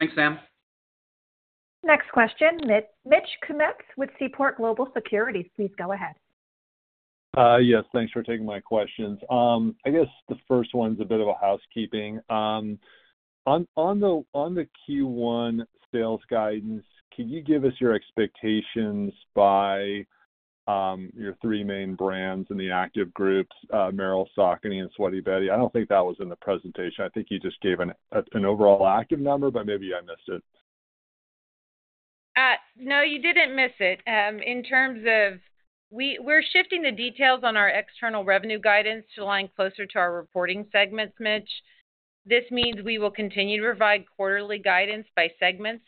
Thanks, Sam. Next question, Mitch Kummetz with Seaport Global Securities. Please go ahead. Yes, thanks for taking my questions. I guess the first one's a bit of a housekeeping. On the Q1 sales guidance, can you give us your expectations by your three main brands and the Active Group, Merrell, Saucony, and Sweaty Betty? I don't think that was in the presentation. I think you just gave an overall active number, but maybe I missed it. No, you didn't miss it. In terms of we're shifting the details on our external revenue guidance to line closer to our reporting segments, Mitch. This means we will continue to provide quarterly guidance by segments,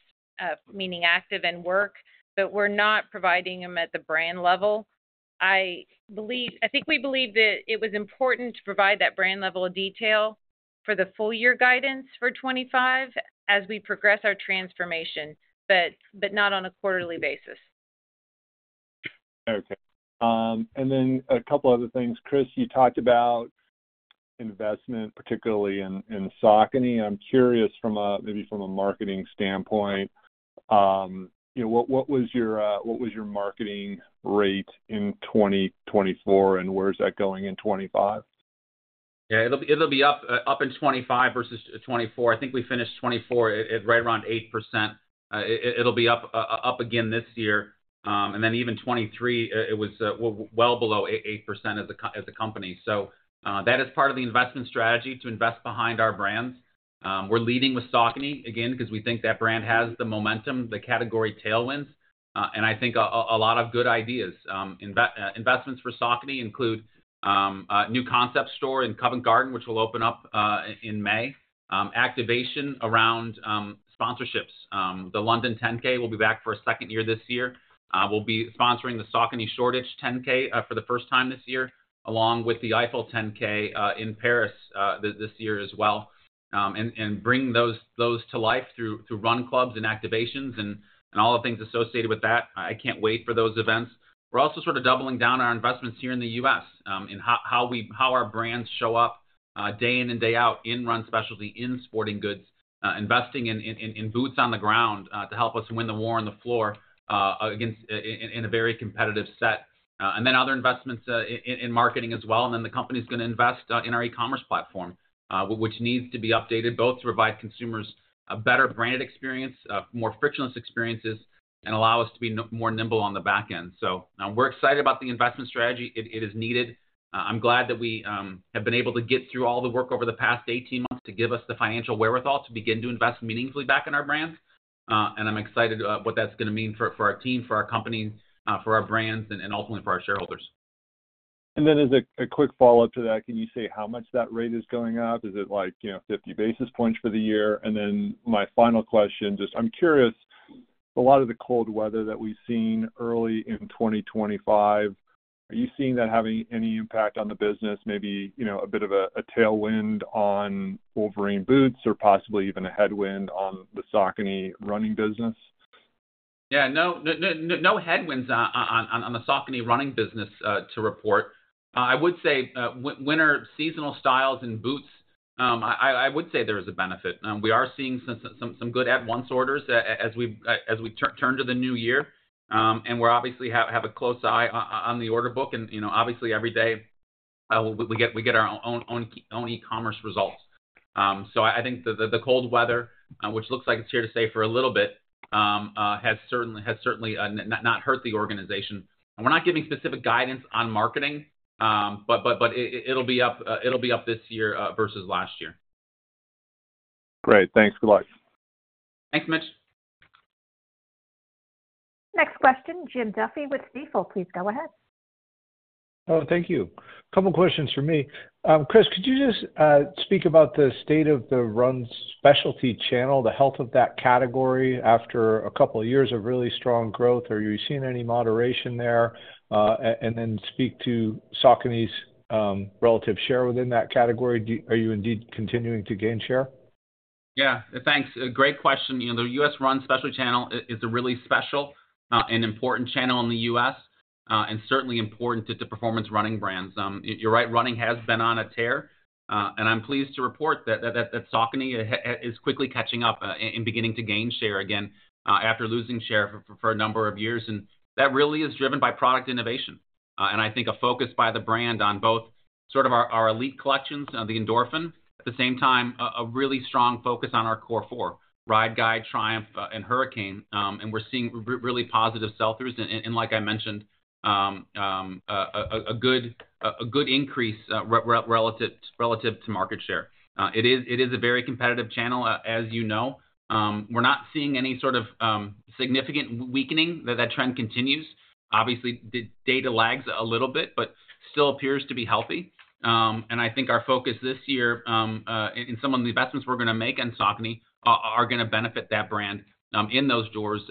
meaning Active and Work, but we're not providing them at the brand level. I think we believe that it was important to provide that brand level of detail for the full year guidance for 2025 as we progress our transformation, but not on a quarterly basis. Okay. And then a couple of other things. Chris, you talked about investment, particularly in Saucony. I'm curious, maybe from a marketing standpoint, what was your marketing rate in 2024, and where is that going in 2025? Yeah, it'll be up in 2025 versus 2024. I think we finished 2024 at right around 8%. It'll be up again this year. And then even 2023, it was well below 8% as a company. So that is part of the investment strategy to invest behind our brands. We're leading with Saucony again because we think that brand has the momentum, the category tailwinds. And I think a lot of good ideas. Investments for Saucony include a new concept store in Covent Garden, which will open up in May, activation around sponsorships. The London 10K will be back for a second year this year. We'll be sponsoring the Saucony Shoreditch 10K for the first time this year, along with the Eiffel 10K in Paris this year as well, and bring those to life through run clubs and activations and all the things associated with that. I can't wait for those events. We're also sort of doubling down our investments here in the U.S. in how our brands show up day in and day out in run specialty, in sporting goods, investing in boots on the ground to help us win the war on the floor against in a very competitive set, and then other investments in marketing as well. The company's going to invest in our e-commerce platform, which needs to be updated both to provide consumers a better branded experience, more frictionless experiences, and allow us to be more nimble on the back end. So we're excited about the investment strategy. It is needed. I'm glad that we have been able to get through all the work over the past 18 months to give us the financial wherewithal to begin to invest meaningfully back in our brands. And I'm excited about what that's going to mean for our team, for our company, for our brands, and ultimately for our shareholders. And then as a quick follow-up to that, can you say how much that rate is going up? Is it like 50 basis points for the year? And then my final question, just I'm curious, a lot of the cold weather that we've seen early in 2025, are you seeing that having any impact on the business? Maybe a bit of a tailwind on Wolverine boots or possibly even a headwind on the Saucony running business? Yeah. No headwinds on the Saucony running business to report. I would say winter seasonal styles and boots, I would say there is a benefit. We are seeing some good at-once orders as we turn to the new year. And we obviously have a close eye on the order book. And obviously, every day we get our own e-commerce results. So I think the cold weather, which looks like it's here to stay for a little bit, has certainly not hurt the organization. And we're not giving specific guidance on marketing, but it'll be up this year versus last year. Great. Thanks for the line. Thanks, Mitch. Next question, Jim Duffy with Stifel. Please go ahead. Oh, thank you. A couple of questions for me. Chris, could you just speak about the state of the run specialty channel, the health of that category after a couple of years of really strong growth? Are you seeing any moderation there? And then speak to Saucony's relative share within that category. Are you indeed continuing to gain share? Yeah. Thanks. Great question. The U.S. run specialty channel is a really special and important channel in the U.S. and certainly important to performance running brands. You're right. Running has been on a tear. And I'm pleased to report that Saucony is quickly catching up and beginning to gain share again after losing share for a number of years. And that really is driven by product innovation. And I think a focus by the brand on both sort of our elite collections, the Endorphin, at the same time, a really strong focus on our core four, Ride, Guide, Triumph, and Hurricane. And we're seeing really positive sell-throughs. And like I mentioned, a good increase relative to market share. It is a very competitive channel, as you know. We're not seeing any sort of significant weakening that that trend continues. Obviously, data lags a little bit, but still appears to be healthy. And I think our focus this year in some of the investments we're going to make in Saucony are going to benefit that brand in those doors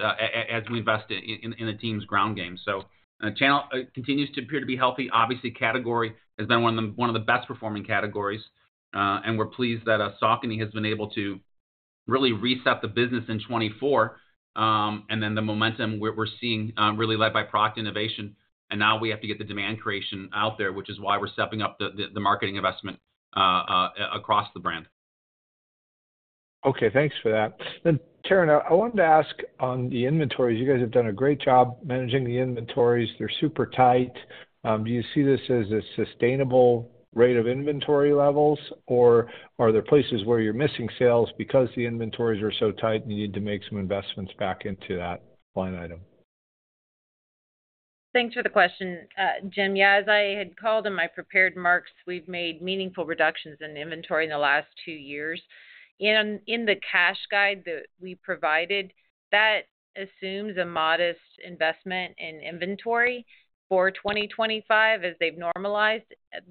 as we invest in the team's ground game. So the channel continues to appear to be healthy. Obviously, category has been one of the best-performing categories. We're pleased that Saucony has been able to really reset the business in 2024. Then the momentum we're seeing really led by product innovation. Now we have to get the demand creation out there, which is why we're stepping up the marketing investment across the brand. Okay. Thanks for that. Taryn, I wanted to ask on the inventories. You guys have done a great job managing the inventories. They're super tight. Do you see this as a sustainable rate of inventory levels, or are there places where you're missing sales because the inventories are so tight and you need to make some investments back into that line item? Thanks for the question, Jim. Yeah, as I had called in my prepared remarks, we've made meaningful reductions in inventory in the last two years. In the cash guide that we provided, that assumes a modest investment in inventory for 2025 as they've normalized.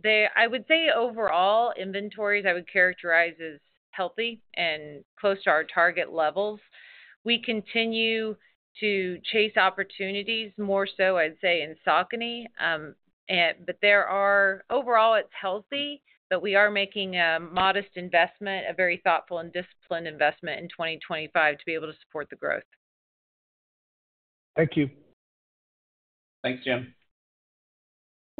I would say overall, inventories I would characterize as healthy and close to our target levels. We continue to chase opportunities more so, I'd say, in Saucony. But overall, it's healthy, but we are making a modest investment, a very thoughtful and disciplined investment in 2025 to be able to support the growth. Thank you. Thanks, Jim.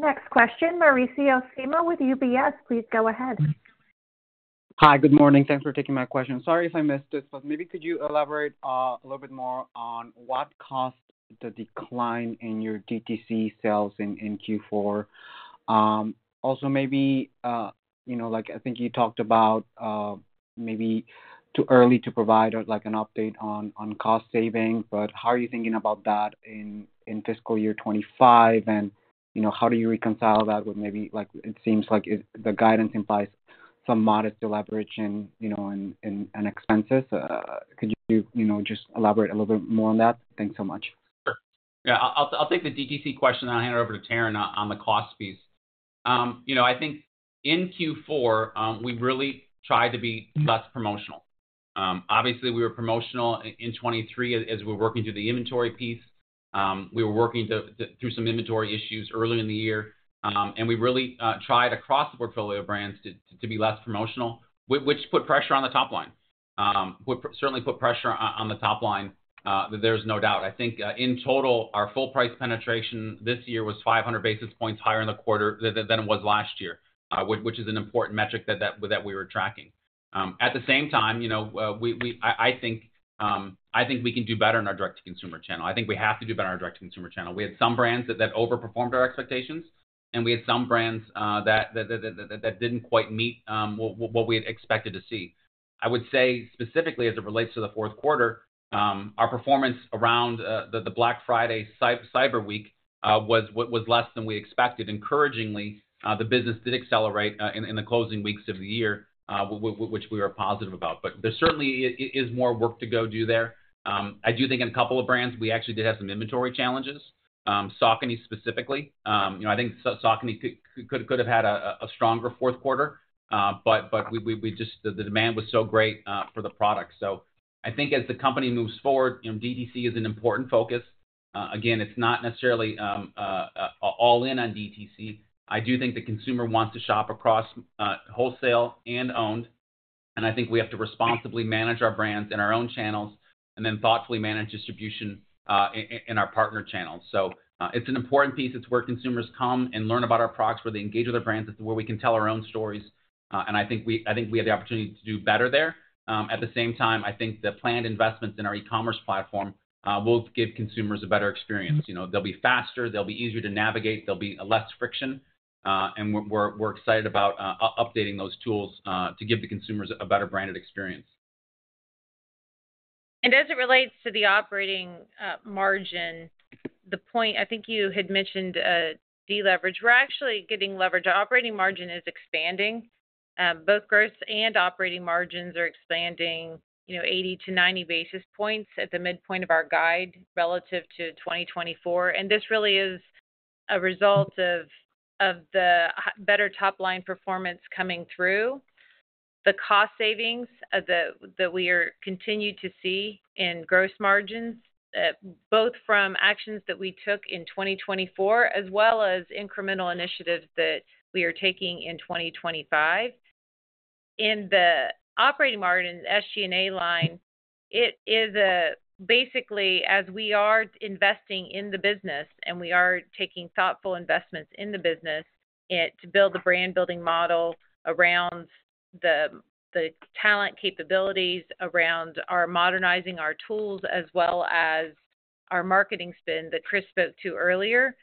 Next question, Mauricio Serna with UBS. Please go ahead. Hi, good morning. Thanks for taking my question. Sorry if I missed this, but maybe could you elaborate a little bit more on what caused the decline in your DTC sales in Q4? Also, maybe I think you talked about maybe too early to provide an update on cost savings, but how are you thinking about that in fiscal year 2025? How do you reconcile that with maybe it seems like the guidance implies some modest escalation in expenses? Could you just elaborate a little bit more on that? Thanks so much. Yeah. I'll take the DTC question and I'll hand it over to Taryn on the cost piece. I think in Q4, we really tried to be less promotional. Obviously, we were promotional in 2023 as we were working through the inventory piece. We were working through some inventory issues early in the year. And we really tried across the portfolio of brands to be less promotional, which put pressure on the top line, certainly put pressure on the top line. There's no doubt. I think in total, our full price penetration this year was 500 basis points higher in the quarter than it was last year, which is an important metric that we were tracking. At the same time, I think we can do better in our direct-to-consumer channel. I think we have to do better in our direct-to-consumer channel. We had some brands that overperformed our expectations, and we had some brands that didn't quite meet what we had expected to see. I would say specifically as it relates to the fourth quarter, our performance around the Black Friday Cyber Week was less than we expected. Encouragingly, the business did accelerate in the closing weeks of the year, which we were positive about. But there certainly is more work to go do there. I do think in a couple of brands, we actually did have some inventory challenges. Saucony specifically, I think Saucony could have had a stronger fourth quarter, but the demand was so great for the product. So I think as the company moves forward, DTC is an important focus. Again, it's not necessarily all in on DTC. I do think the consumer wants to shop across wholesale and owned. And I think we have to responsibly manage our brands in our own channels and then thoughtfully manage distribution in our partner channels. So it's an important piece. It's where consumers come and learn about our products, where they engage with our brands, where we can tell our own stories. And I think we have the opportunity to do better there. At the same time, I think the planned investments in our e-commerce platform will give consumers a better experience. They'll be faster. They'll be easier to navigate. There'll be less friction. And we're excited about updating those tools to give the consumers a better branded experience. And as it relates to the operating margin, the point I think you had mentioned deleverage. We're actually getting leverage. Operating margin is expanding. Both gross and operating margins are expanding 80-90 basis points at the midpoint of our guide relative to 2024. And this really is a result of the better top-line performance coming through, the cost savings that we continue to see in gross margins, both from actions that we took in 2024 as well as incremental initiatives that we are taking in 2025. In the operating margin SG&A line, it is basically as we are investing in the business and we are taking thoughtful investments in the business to build the brand-building model around the talent capabilities, around modernizing our tools as well as our marketing spin that Chris spoke to earlier.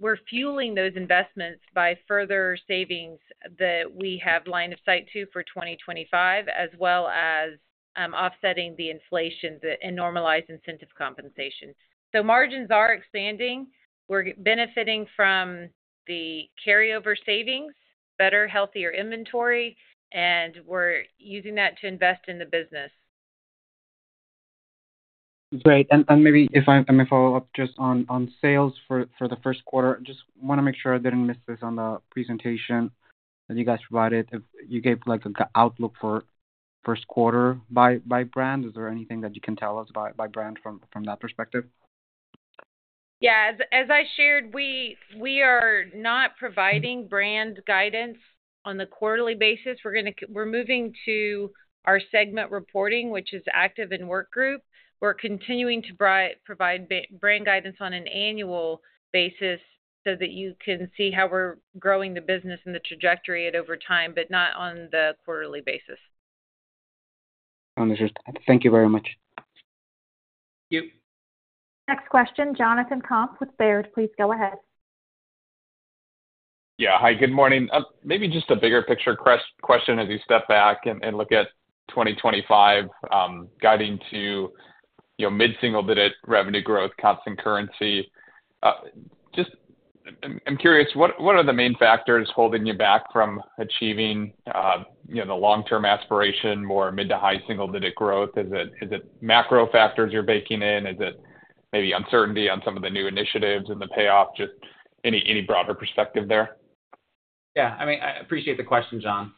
We're fueling those investments by further savings that we have line of sight to for 2025, as well as offsetting the inflation and normalized incentive compensation. So margins are expanding. We're benefiting from the carryover savings, better, healthier inventory, and we're using that to invest in the business. Great. And maybe if I may follow up just on sales for the first quarter, I just want to make sure I didn't miss this on the presentation that you guys provided. You gave an outlook for first quarter by brand. Is there anything that you can tell us by brand from that perspective? Yeah. As I shared, we are not providing brand guidance on the quarterly basis. We're moving to our segment reporting, which is Active and Work Group. We're continuing to provide brand guidance on an annual basis so that you can see how we're growing the business and the trajectory over time, but not on the quarterly basis. Understood. Thank you very much. Thank you. Next question, Jonathan Komp with Baird. Please go ahead. Yeah. Hi, good morning. Maybe just a bigger picture question as you step back and look at 2025, guiding to mid-single-digit revenue growth, constant currency. Just I'm curious, what are the main factors holding you back from achieving the long-term aspiration, more mid to high single-digit growth? Is it macro factors you're baking in? Is it maybe uncertainty on some of the new initiatives and the payoff? Just any broader perspective there? Yeah. I mean, I appreciate the question, John.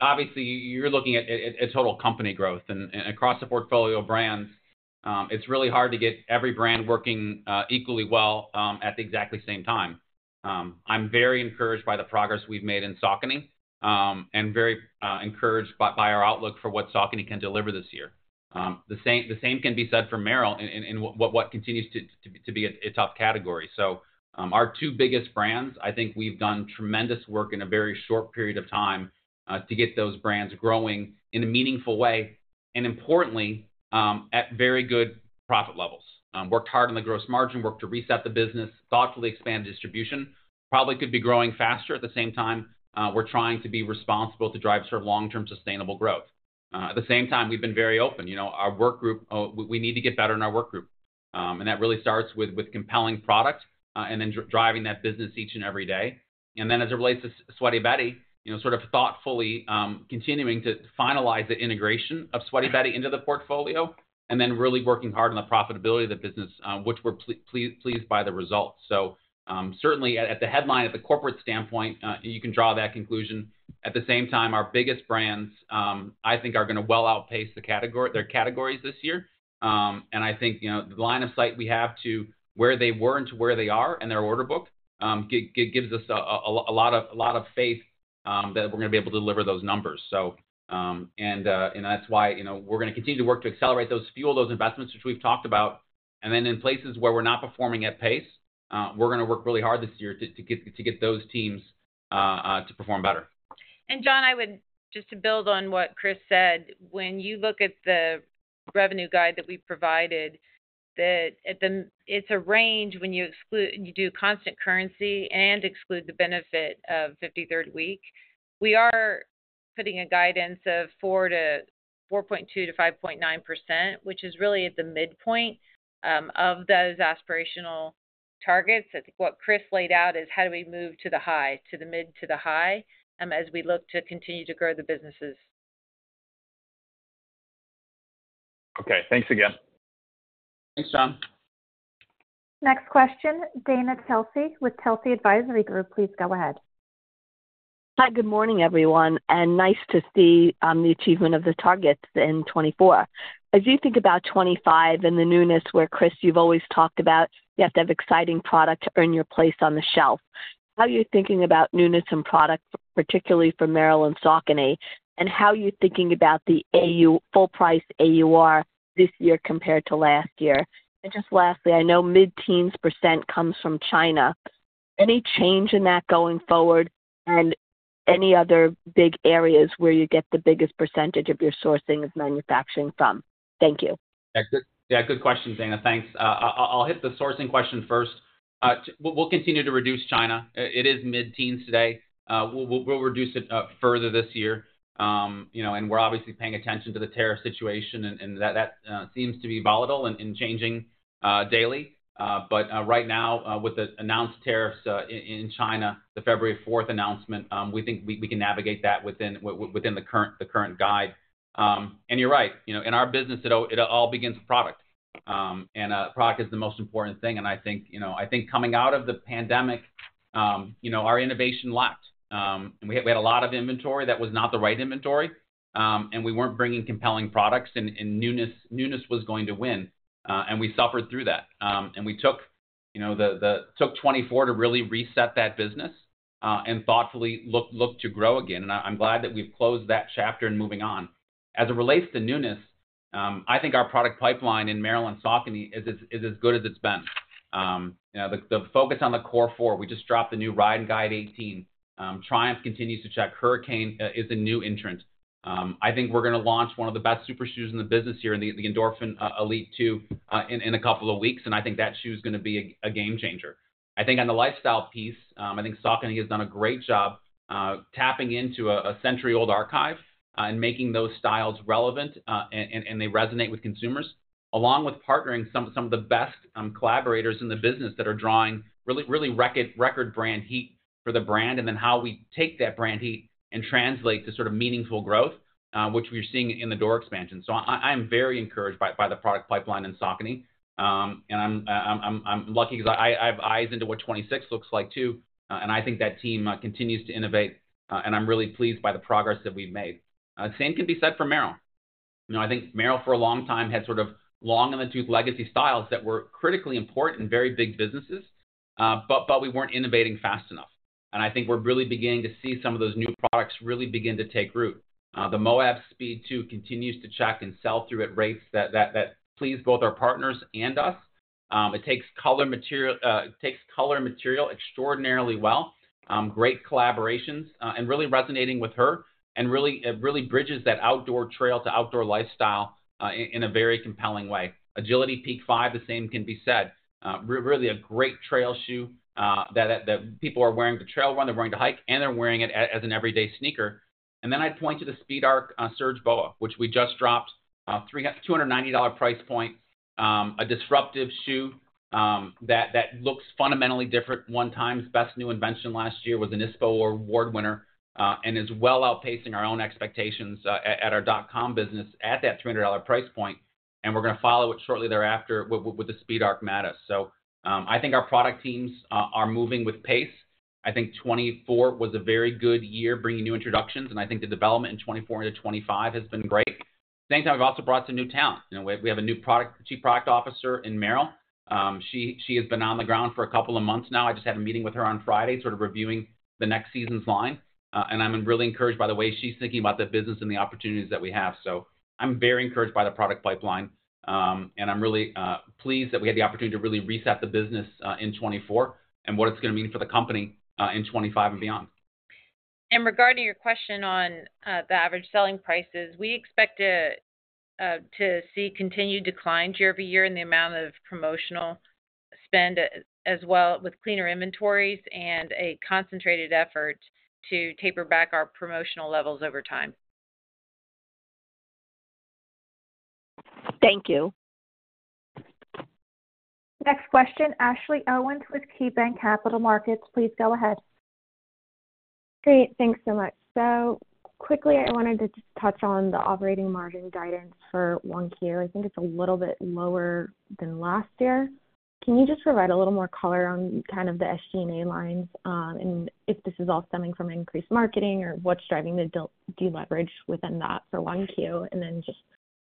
Obviously, you're looking at total company growth. And across the portfolio of brands, it's really hard to get every brand working equally well at the exactly same time. I'm very encouraged by the progress we've made in Saucony and very encouraged by our outlook for what Saucony can deliver this year. The same can be said for Merrell in what continues to be a tough category. So our two biggest brands, I think we've done tremendous work in a very short period of time to get those brands growing in a meaningful way. And importantly, at very good profit levels. Worked hard on the gross margin, worked to reset the business, thoughtfully expanded distribution, probably could be growing faster. At the same time, we're trying to be responsible to drive sort of long-term sustainable growth. At the same time, we've been very open. Our Work Group, we need to get better in our Work Group. And that really starts with compelling product and then driving that business each and every day. And then as it relates to Sweaty Betty, sort of thoughtfully continuing to finalize the integration of Sweaty Betty into the portfolio and then really working hard on the profitability of the business, which we're pleased by the results. Certainly at the headline, at the corporate standpoint, you can draw that conclusion. At the same time, our biggest brands, I think, are going to well outpace their categories this year. And I think the line of sight we have to where they were and to where they are in their order book gives us a lot of faith that we're going to be able to deliver those numbers. And that's why we're going to continue to work to accelerate those, fuel those investments, which we've talked about. And then in places where we're not performing at pace, we're going to work really hard this year to get those teams to perform better. And John, I would just to build on what Chris said. When you look at the revenue guide that we provided, it's a range when you do constant currency and exclude the benefit of 53rd week. We are putting a guidance of 4.2%-5.9%, which is really at the midpoint of those aspirational targets. I think what Chris laid out is how do we move to the high, to the mid, to the high as we look to continue to grow the businesses. Okay. Thanks again. Thanks, John. Next question, Dana Telsey with Telsey Advisory Group. Please go ahead. Hi, good morning, everyone. And nice to see the achievement of the targets in 2024. As you think about 2025 and the newness where, Chris, you've always talked about you have to have exciting product to earn your place on the shelf. How are you thinking about newness and product, particularly for Merrell and Saucony, and how are you thinking about the full-price AUR this year compared to last year? And just lastly, I know mid-teens% comes from China. Any change in that going forward and any other big areas where you get the biggest percentage of your sourcing of manufacturing from? Thank you. Yeah, good question, Dana. Thanks. I'll hit the sourcing question first. We'll continue to reduce China. It is mid-teens today. We'll reduce it further this year. And we're obviously paying attention to the tariff situation, and that seems to be volatile and changing daily. But right now, with the announced tariffs in China, the February 4th announcement, we think we can navigate that within the current guide. And you're right. In our business, it all begins with product. And product is the most important thing. And I think coming out of the pandemic, our innovation lacked. We had a lot of inventory that was not the right inventory, and we weren't bringing compelling products, and newness was going to win. And we suffered through that. And we took 2024 to really reset that business and thoughtfully look to grow again. And I'm glad that we've closed that chapter and moving on. As it relates to newness, I think our product pipeline in Merrell and Saucony is as good as it's been. The focus on the core four, we just dropped the new Ride, Guide 18. Triumph continues to check Hurricane is a new entrant. I think we're going to launch one of the best super shoes in the business here, the Endorphin Elite 2, in a couple of weeks. And I think that shoe is going to be a game changer. I think on the lifestyle piece, I think Saucony has done a great job tapping into a century-old archive and making those styles relevant and they resonate with consumers, along with partnering some of the best collaborators in the business that are drawing really record brand heat for the brand and then how we take that brand heat and translate to sort of meaningful growth, which we're seeing in the door expansion. So I am very encouraged by the product pipeline in Saucony. And I'm lucky because I have eyes into what 2026 looks like too. And I think that team continues to innovate. And I'm really pleased by the progress that we've made. Same can be said for Merrell. I think Merrell for a long time had sort of long in the tooth legacy styles that were critically important and very big businesses, but we weren't innovating fast enough. And I think we're really beginning to see some of those new products really begin to take root. The Moab Speed 2 continues to check and sell through at rates that please both our partners and us. It takes color material extraordinarily well, great collaborations, and really resonating with her and really bridges that outdoor trail to outdoor lifestyle in a very compelling way. Agility Peak 5, the same can be said. Really a great trail shoe that people are wearing to trail run, they're wearing to hike, and they're wearing it as an everyday sneaker. And then I'd point to the SpeedArc Surge BOA, which we just dropped, $290 price point, a disruptive shoe that looks fundamentally different. One of TIME's best new inventions last year was an ISPO award winner and is well outpacing our own expectations at our dot-com business at that $300 price point. And we're going to follow it shortly thereafter with the SpeedArc Matis. So I think our product teams are moving with pace. I think 2024 was a very good year bringing new introductions. And I think the development in 2024 into 2025 has been great. At the same time, we've also brought some new talent. We have a new Chief Product Officer in Merrell. She has been on the ground for a couple of months now. I just had a meeting with her on Friday, sort of reviewing the next season's line. And I'm really encouraged by the way she's thinking about the business and the opportunities that we have. So I'm very encouraged by the product pipeline. And I'm really pleased that we had the opportunity to really reset the business in 2024 and what it's going to mean for the company in 2025 and beyond. Regarding your question on the average selling prices, we expect to see continued decline year over year in the amount of promotional spend as well with cleaner inventories and a concentrated effort to taper back our promotional levels over time. Thank you. Next question, Ashley Owens with KeyBank Capital Markets. Please go ahead. Great. Thanks so much. So quickly, I wanted to just touch on the operating margin guidance for one year. I think it's a little bit lower than last year. Can you just provide a little more color on kind of the SG&A lines and if this is all stemming from increased marketing or what's driving the deleverage within that for Q1 and then just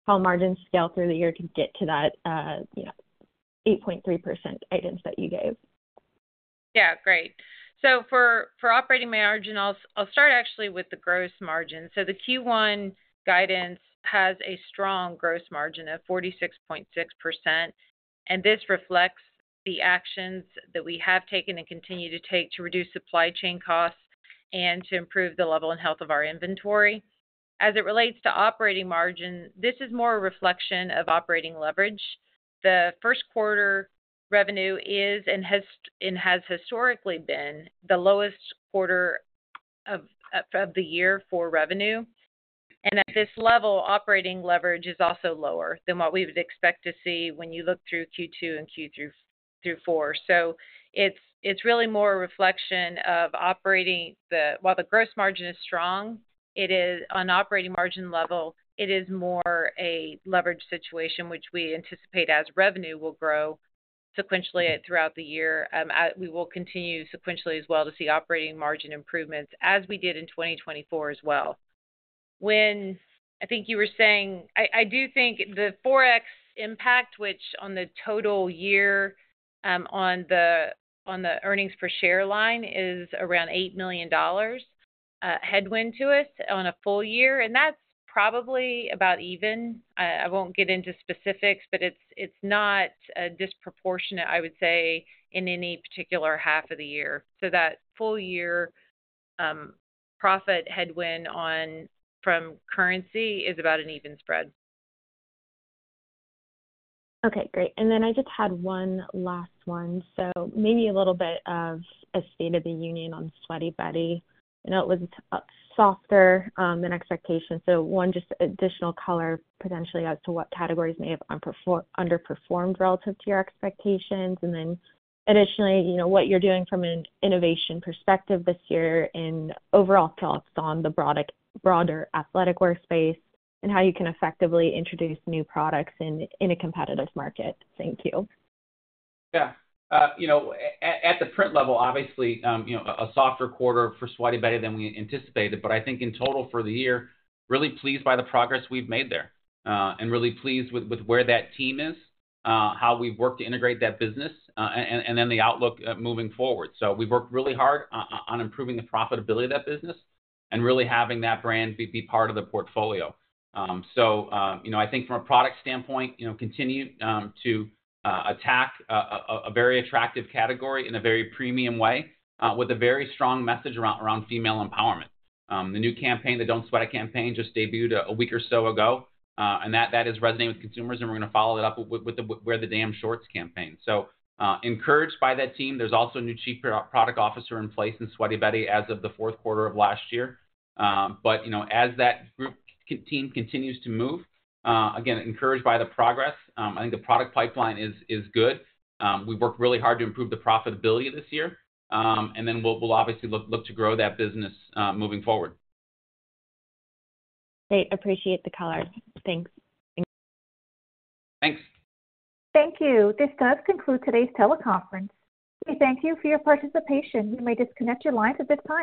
how margins scale through the year to get to that 8.3% guidance that you gave? Yeah. Great. So for operating margin, I'll start actually with the gross margin. The Q1 guidance has a strong gross margin of 46.6%. This reflects the actions that we have taken and continue to take to reduce supply chain costs and to improve the level and health of our inventory. As it relates to operating margin, this is more a reflection of operating leverage. The first quarter revenue is and has historically been the lowest quarter of the year for revenue. At this level, operating leverage is also lower than what we would expect to see when you look through Q2 and Q3 through Q4. It's really more a reflection of operating while the gross margin is strong. On operating margin level, it is more a leverage situation, which we anticipate as revenue will grow sequentially throughout the year. We will continue sequentially as well to see operating margin improvements as we did in 2024 as well. When I think you were saying, I do think the 4x impact, which on the total year on the earnings per share line is around $8 million headwind to us on a full year, and that's probably about even. I won't get into specifics, but it's not disproportionate, I would say, in any particular half of the year, so that full year profit headwind from currency is about an even spread. Okay. Great, and then I just had one last one, so maybe a little bit of a state of the union on Sweaty Betty. I know it was softer than expectation, so one just additional color potentially as to what categories may have underperformed relative to your expectations. And then additionally, what you're doing from an innovation perspective this year and overall thoughts on the broader athletic workspace and how you can effectively introduce new products in a competitive market? Thank you. Yeah. At the brand level, obviously, a softer quarter for Sweaty Betty than we anticipated. But I think in total for the year, really pleased by the progress we've made there and really pleased with where that team is, how we've worked to integrate that business, and then the outlook moving forward. So we've worked really hard on improving the profitability of that business and really having that brand be part of the portfolio. So I think from a product standpoint, continue to attack a very attractive category in a very premium way with a very strong message around female empowerment. The new campaign, the Don't Sweat It Campaign, just debuted a week or so ago. And that is resonating with consumers. And we're going to follow that up with the Wear the Damn Shorts campaign. So encouraged by that team, there's also a new Chief Product Officer in place in Sweaty Betty as of the fourth quarter of last year. But as that team continues to move, again, encouraged by the progress, I think the product pipeline is good. We've worked really hard to improve the profitability this year. And then we'll obviously look to grow that business moving forward. Great. Appreciate the color. Thanks. Thanks. Thank you. This does conclude today's teleconference. We thank you for your participation. You may disconnect your lines at this time.